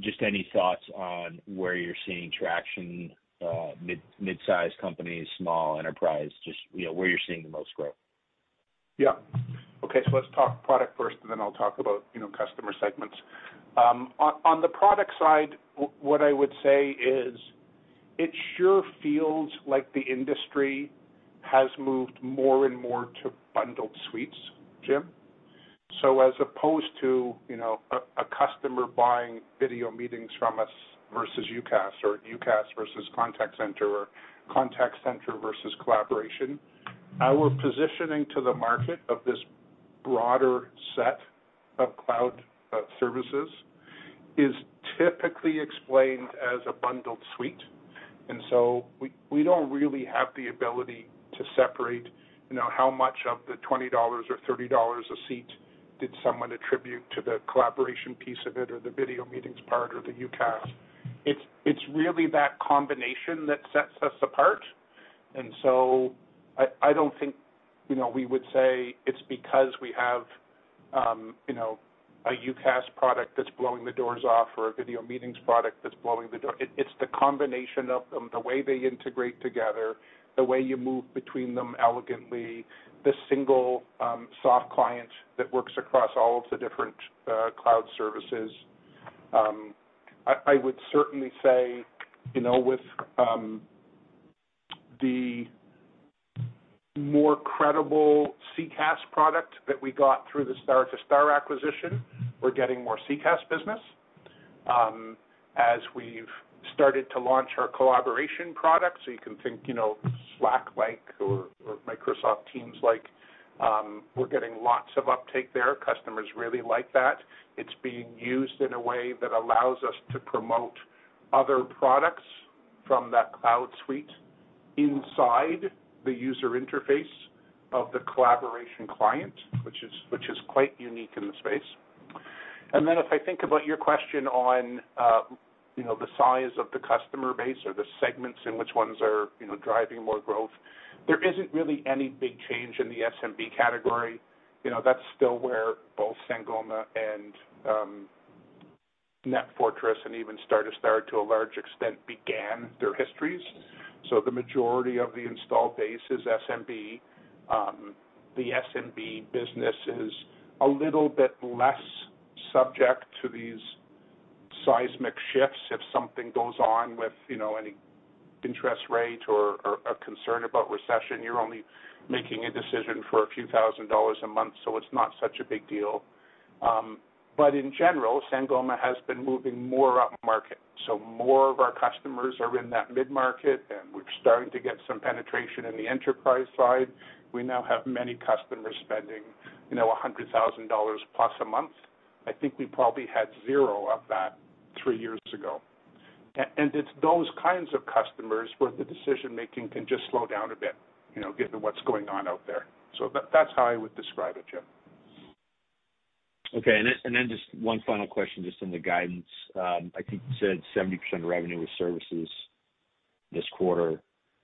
just any thoughts on where you're seeing traction, mid-sized companies, small enterprise, just, you know, where you're seeing the most growth? Yeah. Okay, let's talk product first, and then I'll talk about, you know, customer segments. On the product side, what I would say is it sure feels like the industry has moved more and more to bundled suites, Jim. As opposed to, you know, a customer buying video meetings from us versus UCaaS or UCaaS versus contact center or contact center versus collaboration, our positioning to the market of this broader set of cloud services is typically explained as a bundled suite. We don't really have the ability to separate, you know, how much of the $20 or $30 a seat did someone attribute to the collaboration piece of it or the video meetings part or the UCaaS. It's really that combination that sets us apart. I don't think, you know, we would say it's because we have, you know, a UCaaS product that's blowing the doors off or a video meetings product that's blowing the door. It's the combination of them, the way they integrate together, the way you move between them elegantly, the single soft client that works across all of the different cloud services. I would certainly say, you know, with the more credible CCaaS product that we got through the Star2Star acquisition, we're getting more CCaaS business. As we've started to launch our collaboration product, so you can think, you know, Slack-like or Microsoft Teams-like, we're getting lots of uptake there. Customers really like that. It's being used in a way that allows us to promote other products from that cloud suite inside the user interface of the collaboration client, which is quite unique in the space. If I think about your question on, you know, the size of the customer base or the segments and which ones are, you know, driving more growth, there isn't really any big change in the SMB category. You know, that's still where both Sangoma and, NetFortris, and even Star2Star to a large extent, began their histories. The majority of the installed base is SMB. The SMB business is a little bit less subject to these seismic shifts. If something goes on with, you know, any interest rate or a concern about recession, you're only making a decision for a few thousand dollars a month, so it's not such a big deal. In general, Sangoma has been moving more upmarket. More of our customers are in that mid-market, and we're starting to get some penetration in the enterprise side. We now have many customers spending, you know, $100,000+ a month. I think we probably had zero of that three years ago. It's those kinds of customers where the decision-making can just slow down a bit, you know, given what's going on out there. That's how I would describe it, Jim. Okay. Just one final question on the guidance. I think you said 70% of revenue was services this quarter.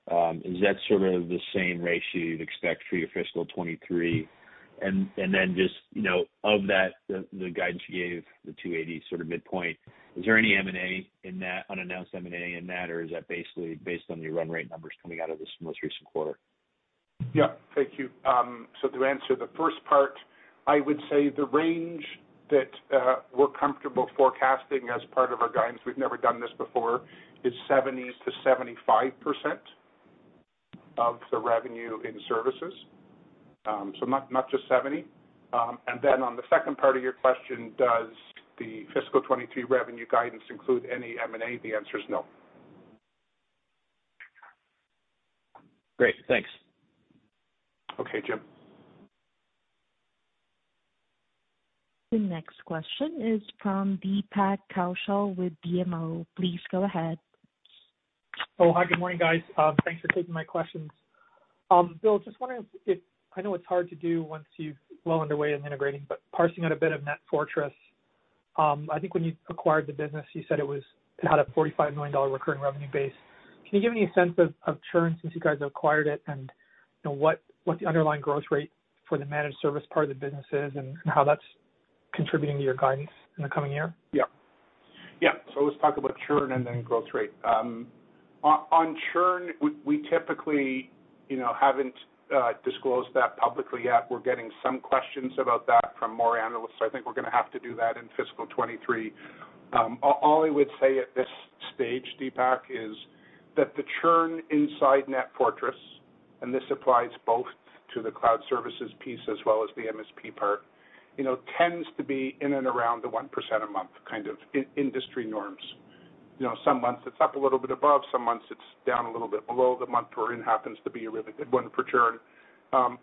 Is that sort of the same ratio you'd expect for your fiscal 2023? Just, you know, of that, the guidance you gave, the $280 sort of midpoint, is there any M&A in that, unannounced M&A in that, or is that basically based on your run rate numbers coming out of this most recent quarter? Yeah. Thank you. To answer the first part, I would say the range that we're comfortable forecasting as part of our guidance, we've never done this before, is 70%-75% of the revenue in services. Not just 70%. On the second part of your question, does the fiscal 2023 revenue guidance include any M&A? The answer is no. Great. Thanks. Okay, Jim. The next question is from Deepak Kaushal with BMO. Please go ahead. Oh, hi. Good morning, guys. Thanks for taking my questions. Bill, just wondering if I know it's hard to do once you're well underway in integrating, but parsing out a bit of NetFortris. I think when you acquired the business, you said it had a $45 million recurring revenue base. Can you give any sense of churn since you guys acquired it? You know, what's the underlying growth rate for the managed service part of the business is, and how that's contributing to your guidance in the coming year? Yeah. Yeah. Let's talk about churn and then growth rate. On churn, we typically, you know, haven't disclosed that publicly yet. We're getting some questions about that from more analysts. I think we're gonna have to do that in fiscal 2023. All I would say at this stage, Deepak, is that the churn inside NetFortris, and this applies both to the cloud services piece as well as the MSP part, you know, tends to be in and around the 1% a month, kind of industry norms. You know, some months it's up a little bit above, some months it's down a little bit below. The month we're in happens to be a really good one for churn.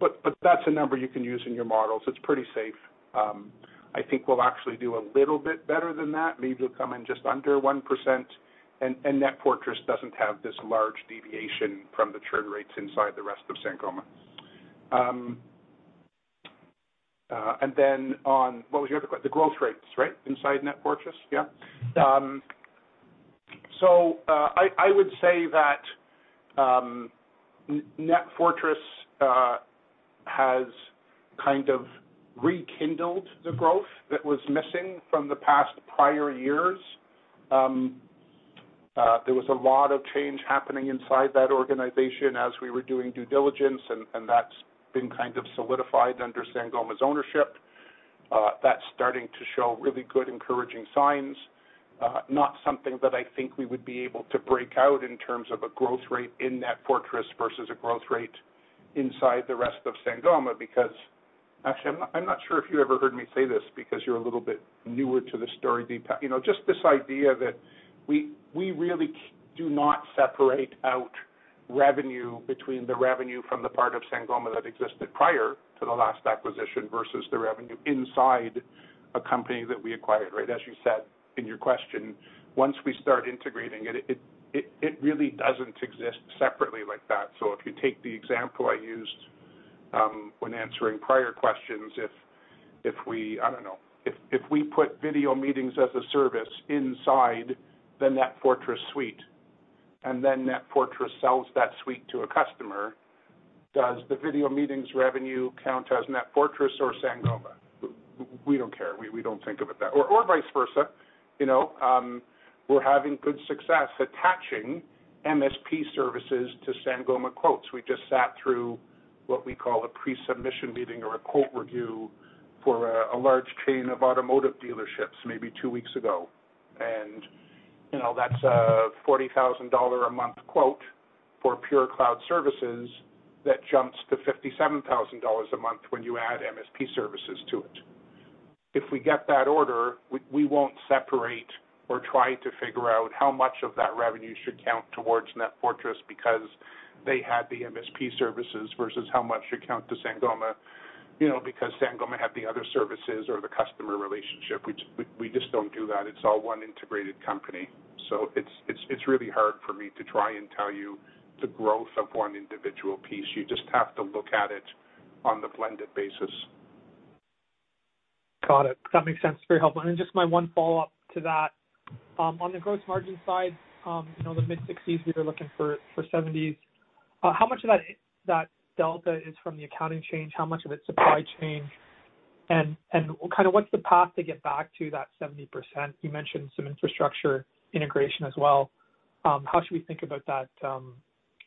But that's a number you can use in your models. It's pretty safe. I think we'll actually do a little bit better than that. Maybe we'll come in just under 1%. NetFortris doesn't have this large deviation from the churn rates inside the rest of Sangoma. The growth rates, right, inside NetFortris? Yeah. Yeah. I would say that NetFortris has kind of rekindled the growth that was missing from the past prior years. There was a lot of change happening inside that organization as we were doing due diligence and that's been kind of solidified under Sangoma's ownership. That's starting to show really good, encouraging signs. Not something that I think we would be able to break out in terms of a growth rate in NetFortris versus a growth rate inside the rest of Sangoma because actually, I'm not sure if you ever heard me say this because you're a little bit newer to the story, Deepak. You know, just this idea that we really do not separate out revenue between the revenue from the part of Sangoma that existed prior to the last acquisition versus the revenue inside a company that we acquired, right? As you said in your question, once we start integrating it really doesn't exist separately like that. If you take the example I used when answering prior questions, if we put video meetings as a service inside the NetFortris suite, and then NetFortris sells that suite to a customer, does the video meetings revenue count as NetFortris or Sangoma? We don't care. We don't think of it that way. Or vice versa, you know. We're having good success attaching MSP services to Sangoma quotes. We just sat through what we call a pre-submission meeting or a quote review for a large chain of automotive dealerships maybe two weeks ago. You know, that's a $40,000 a month quote for pure cloud services that jumps to $57,000 a month when you add MSP services to it. If we get that order, we won't separate or try to figure out how much of that revenue should count towards NetFortris because they had the MSP services versus how much should count to Sangoma, you know, because Sangoma had the other services or the customer relationship. We just don't do that. It's all one integrated company. It's really hard for me to try and tell you the growth of one individual piece. You just have to look at it on the blended basis. Got it. That makes sense. Very helpful. Just my one follow-up to that. On the gross margin side, you know, the mid-60s%, you were looking for 70s%. How much of that delta is from the accounting change, how much of it supply chain? Kind of what's the path to get back to that 70%? You mentioned some infrastructure integration as well. How should we think about that?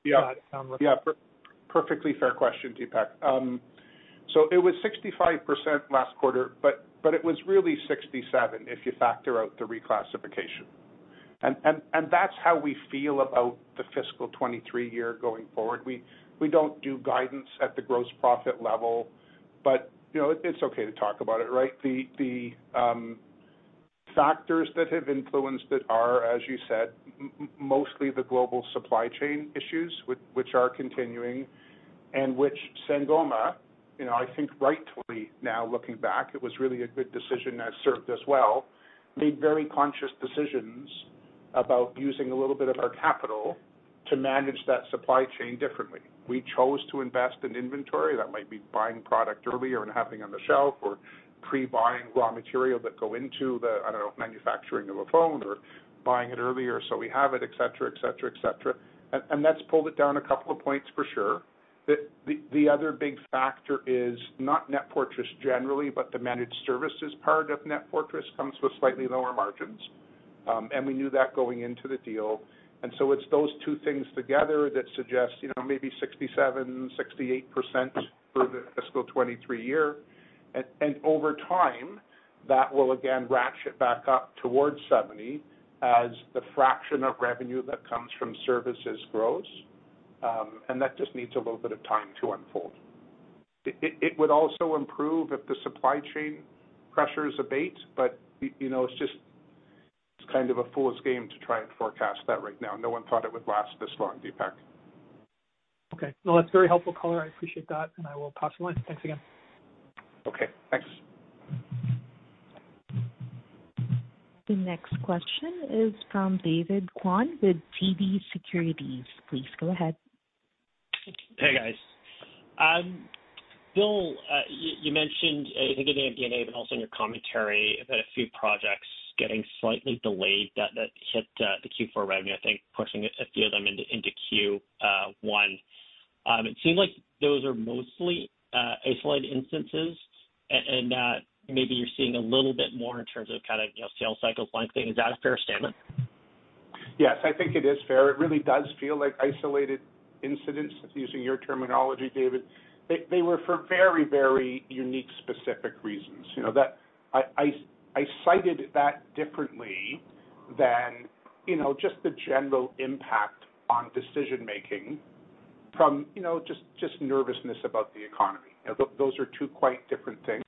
Yeah. -that, um- Yeah. Perfectly fair question, Deepak. So it was 65% last quarter, but it was really 67% if you factor out the reclassification. That's how we feel about the fiscal 2023 year going forward. We don't do guidance at the gross profit level, but, you know, it's okay to talk about it, right? The factors that have influenced it are, as you said, mostly the global supply chain issues which are continuing and which Sangoma, you know, I think rightfully now looking back, it was really a good decision that served us well, made very conscious decisions about using a little bit of our capital to manage that supply chain differently. We chose to invest in inventory that might be buying product earlier and having on the shelf or pre-buying raw material that go into the, I don't know, manufacturing of a phone or buying it earlier, so we have it, et cetera. That's pulled it down a couple of points for sure. The other big factor is not NetFortris generally, but the managed services part of NetFortris comes with slightly lower margins, and we knew that going into the deal. It's those two things together that suggest, you know, maybe 67%-68% for the fiscal 2023 year. Over time, that will again ratchet back up towards 70% as the fraction of revenue that comes from services grows, and that just needs a little bit of time to unfold. It would also improve if the supply chain pressures abate, but, you know, it's just, it's kind of a fool's game to try and forecast that right now. No one thought it would last this long, Deepak. Okay. No, that's very helpful color. I appreciate that, and I will pass the line. Thanks again. Okay, thanks. The next question is from David Kwan with TD Securities. Please go ahead. Hey, guys. Bill, you mentioned, I think in the MD&A but also in your commentary about a few projects getting slightly delayed that hit the Q4 revenue, I think pushing a few of them into Q1. It seems like those are mostly isolated instances and that maybe you're seeing a little bit more in terms of kind of, you know, sales cycle lengthening. Is that a fair statement? Yes, I think it is fair. It really does feel like isolated incidents, using your terminology, David. They were for very unique specific reasons. You know, that I cited that differently than just the general impact on decision-making from just nervousness about the economy. You know, those are two quite different things.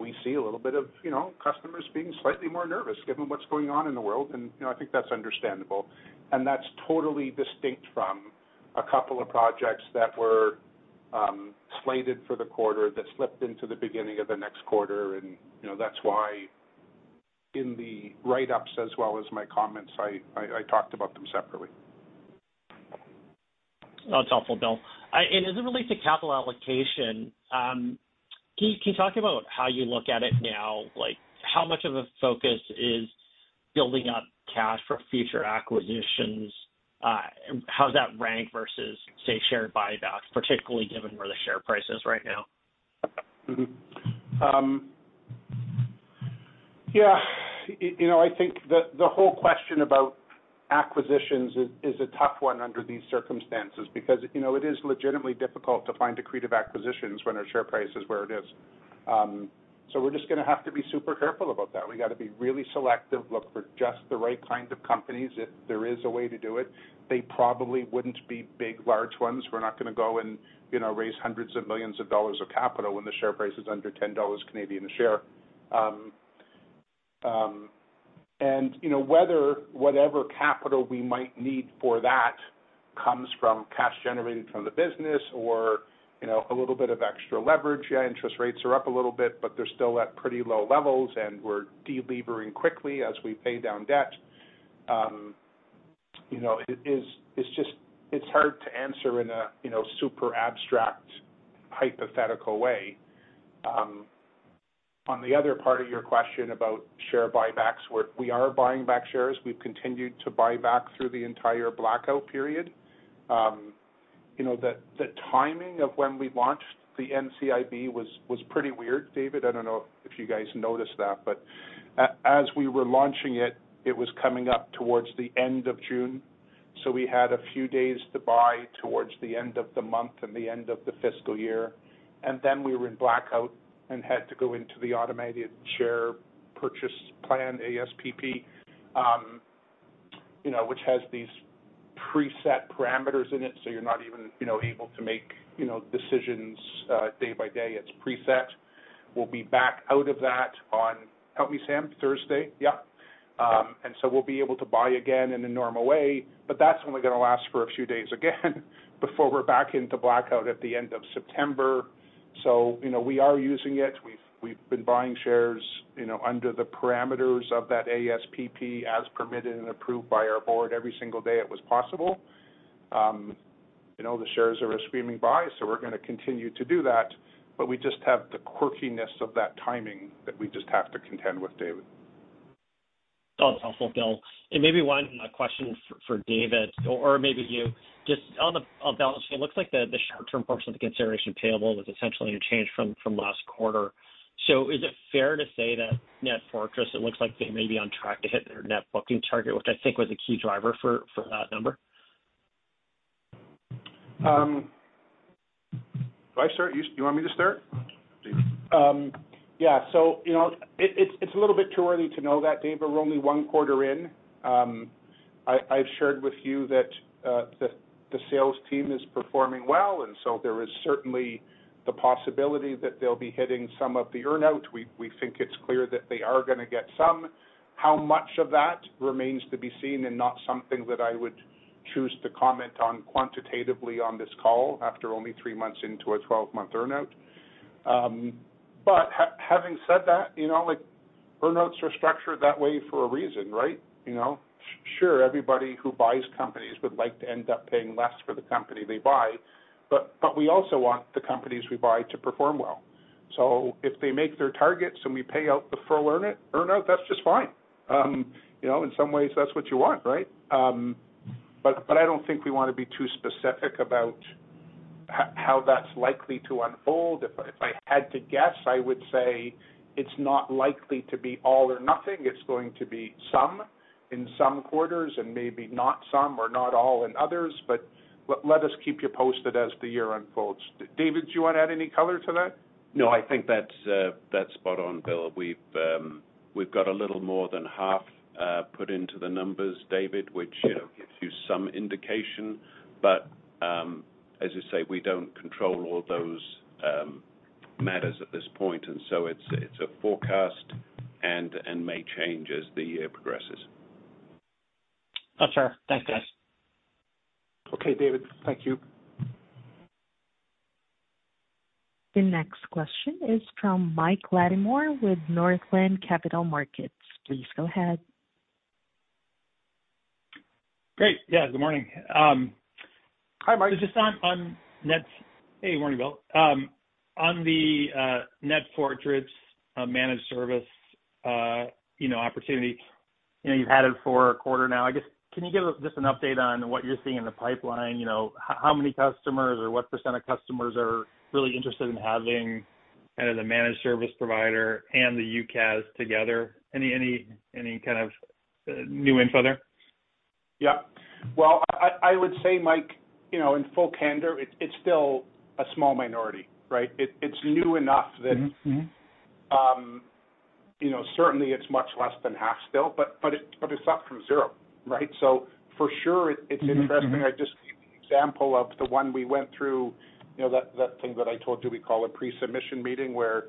We see a little bit of, you know, customers being slightly more nervous given what's going on in the world, and you know, I think that's understandable. That's totally distinct from a couple of projects that were slated for the quarter that slipped into the beginning of the next quarter. You know, that's why in the write-ups as well as my comments, I talked about them separately. That's helpful, Bill. As it relates to capital allocation, can you talk about how you look at it now? Like, how much of a focus is building up cash for future acquisitions? How does that rank versus, say, share buybacks, particularly given where the share price is right now? Yeah. You know, I think the whole question about acquisitions is a tough one under these circumstances because, you know, it is legitimately difficult to find accretive acquisitions when our share price is where it is. We're just gonna have to be super careful about that. We gotta be really selective, look for just the right kind of companies if there is a way to do it. They probably wouldn't be big, large ones. We're not gonna go and, you know, raise hundreds of millions of dollars of capital when the share price is under 10 dollars a share. You know, whether whatever capital we might need for that comes from cash generated from the business or, you know, a little bit of extra leverage. Yeah, interest rates are up a little bit, but they're still at pretty low levels, and we're delevering quickly as we pay down debt. You know, it's just hard to answer in a super abstract hypothetical way. On the other part of your question about share buybacks, we are buying back shares. We've continued to buy back through the entire blackout period. You know, the timing of when we launched the NCIB was pretty weird, David. I don't know if you guys noticed that. As we were launching it was coming up towards the end of June, so we had a few days to buy towards the end of the month and the end of the fiscal year. Then we were in blackout and had to go into the automated share purchase plan, ASPP, you know, which has these preset parameters in it, so you're not even, you know, able to make, you know, decisions, day by day. It's preset. We'll be back out of that on Thursday. We'll be able to buy again in a normal way, but that's only gonna last for a few days again before we're back into blackout at the end of September. You know, we are using it. We've been buying shares, you know, under the parameters of that ASPP as permitted and approved by our board every single day it was possible. You know, the shares are a screaming buy, so we're gonna continue to do that, but we just have the quirkiness of that timing that we just have to contend with, David. That's helpful, Bill. Maybe one question for David, or maybe you. Just on the balance sheet, it looks like the short-term portion of the consideration payable was essentially unchanged from last quarter. Is it fair to say that NetFortris, it looks like they may be on track to hit their net booking target, which I think was a key driver for that number? Do I start? You want me to start? Please. Yeah. You know, it's a little bit too early to know that, David. We're only one quarter in. I've shared with you that the sales team is performing well, and there is certainly the possibility that they'll be hitting some of the earn-out. We think it's clear that they are gonna get some. How much of that remains to be seen and not something that I would choose to comment on quantitatively on this call after only three months into a 12-month earn-out. Having said that, you know, like, earn-outs are structured that way for a reason, right? You know? Sure, everybody who buys companies would like to end up paying less for the company they buy, but we also want the companies we buy to perform well. If they make their targets and we pay out the full earn-out, that's just fine. You know, in some ways that's what you want, right? But I don't think we wanna be too specific about how that's likely to unfold. If I had to guess, I would say it's not likely to be all or nothing. It's going to be some in some quarters and maybe not some or not all in others. Let us keep you posted as the year unfolds. David, do you wanna add any color to that? No, I think that's spot on, Bill. We've got a little more than half put into the numbers, David, which, you know, gives you some indication. As you say, we don't control all those matters at this point, and so it's a forecast and may change as the year progresses. Oh, sure. Thanks, guys. Okay, David. Thank you. The next question is from Mike Latimore with Northland Capital Markets. Please go ahead. Great. Yeah, good morning. Hi, Mike. Hey, morning, Bill. On the NetFortris managed service, you know, opportunity, you know, you've had it for a quarter now. I guess, can you give us just an update on what you're seeing in the pipeline? You know, how many customers or what percent of customers are really interested in having kind of the managed service provider and the UCaaS together? Any kind of new info there? Yeah. Well, I would say, Mike, you know, in full candor, it's still a small minority, right? It's new enough that- Mm-hmm. Mm-hmm you know, certainly it's much less than half still, but it's up from zero, right? For sure, it's interesting. Mm-hmm. I just gave an example of the one we went through, you know, that thing that I told you we call a pre-submission meeting, where,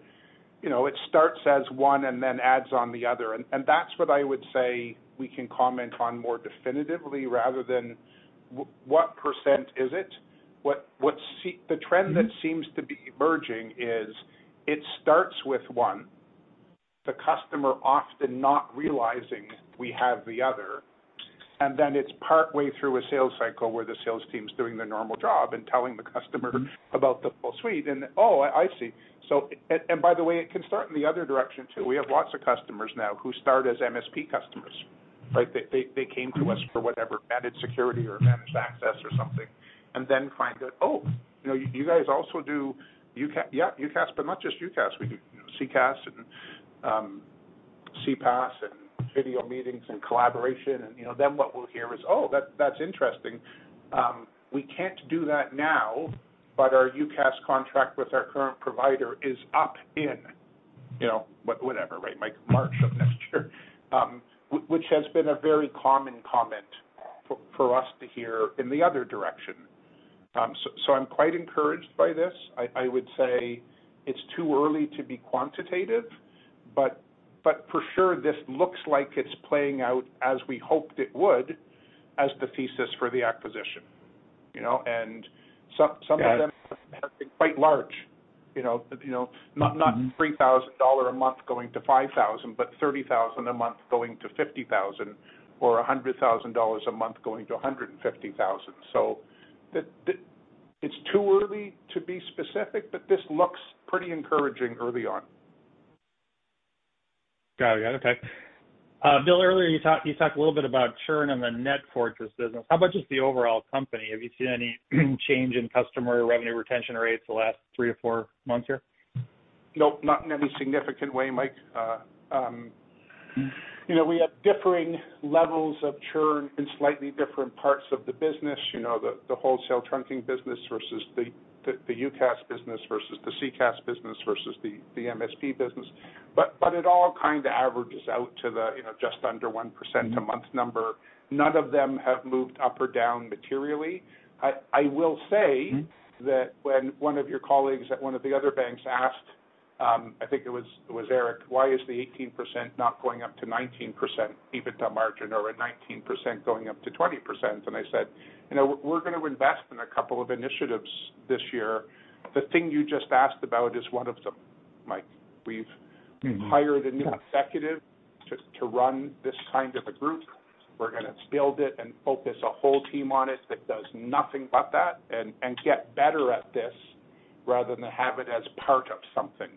you know, it starts as one and then adds on the other. That's what I would say we can comment on more definitively rather than what percent is it? See, the trend that seems to be emerging is it starts with one, the customer often not realizing we have the other, and then it's partway through a sales cycle where the sales team's doing their normal job and telling the customer about the full suite, and, "Oh, I see." And by the way, it can start in the other direction, too. We have lots of customers now who start as MSP customers, right? They came to us for whatever, managed security or managed access or something, and then find out, "Oh, you know, you guys also do UCaaS," but not just UCaaS. We do, you know, CCaaS and CPaaS and video meetings and collaboration. You know, then what we'll hear is, "Oh, that's interesting. We can't do that now, but our UCaaS contract with our current provider is up in, you know, whatever, right, Mike? March of next year. Which has been a very common comment for us to hear in the other direction. I'm quite encouraged by this. I would say it's too early to be quantitative, but for sure, this looks like it's playing out as we hoped it would as the thesis for the acquisition, you know? Some of them- Yeah. have been quite large, you know. You know, not $3,000 a month going to $5,000, but $30,000 a month going to $50,000 or $100,000 a month going to $150,000. It's too early to be specific, but this looks pretty encouraging early on. Got it. Okay. Bill, earlier you talked a little bit about churn in the NetFortris business. How about just the overall company? Have you seen any change in customer revenue retention rates the last three or four months here? Nope, not in any significant way, Mike. Mm-hmm. You know, we have differing levels of churn in slightly different parts of the business, you know, the wholesale trunking business versus the UCaaS business versus the CCaaS business versus the MSP business. It all kind of averages out to the, you know, just under 1% a month number. None of them have moved up or down materially. I will say. Mm-hmm. that when one of your colleagues at one of the other banks asked, I think it was Eric, "Why is the 18% not going up to 19% EBITDA margin or a 19% going up to 20%?" I said, "You know, we're gonna invest in a couple of initiatives this year." The thing you just asked about is one of them, Mike. We've- Mm-hmm. Yeah. Hired a new executive to run this kind of a group. We're gonna build it and focus a whole team on it that does nothing but that and get better at this rather than have it as part of something.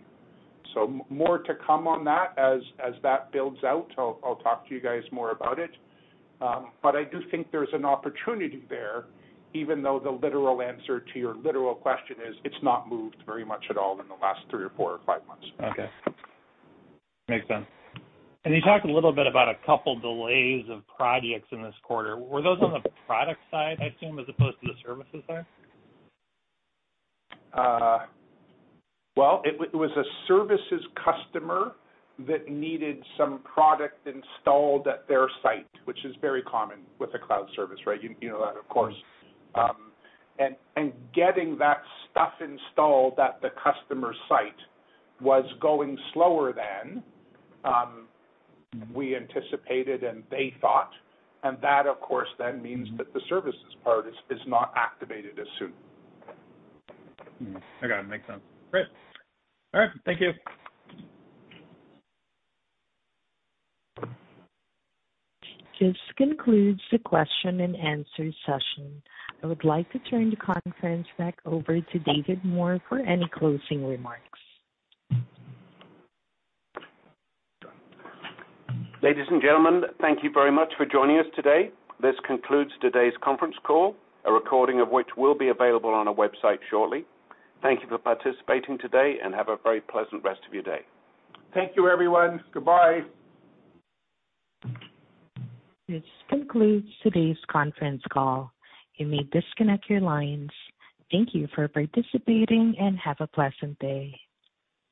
More to come on that. As that builds out, I'll talk to you guys more about it. But I do think there's an opportunity there, even though the literal answer to your literal question is it's not moved very much at all in the last three or four or five months. Okay. Makes sense. You talked a little bit about a couple delays of projects in this quarter. Were those on the product side, I assume, as opposed to the services side? Well, it was a services customer that needed some product installed at their site, which is very common with a cloud service, right? You know that, of course. Getting that stuff installed at the customer site was going slower than we anticipated and they thought, and that, of course, then means that the services part is not activated as soon. I got it. Makes sense. Great. All right. Thank you. This concludes the question and answer session. I would like to turn the conference back over to David Moore for any closing remarks. Ladies and gentlemen, thank you very much for joining us today. This concludes today's conference call, a recording of which will be available on our website shortly. Thank you for participating today, and have a very pleasant rest of your day. Thank you, everyone. Goodbye. This concludes today's conference call. You may disconnect your lines. Thank you for participating, and have a pleasant day.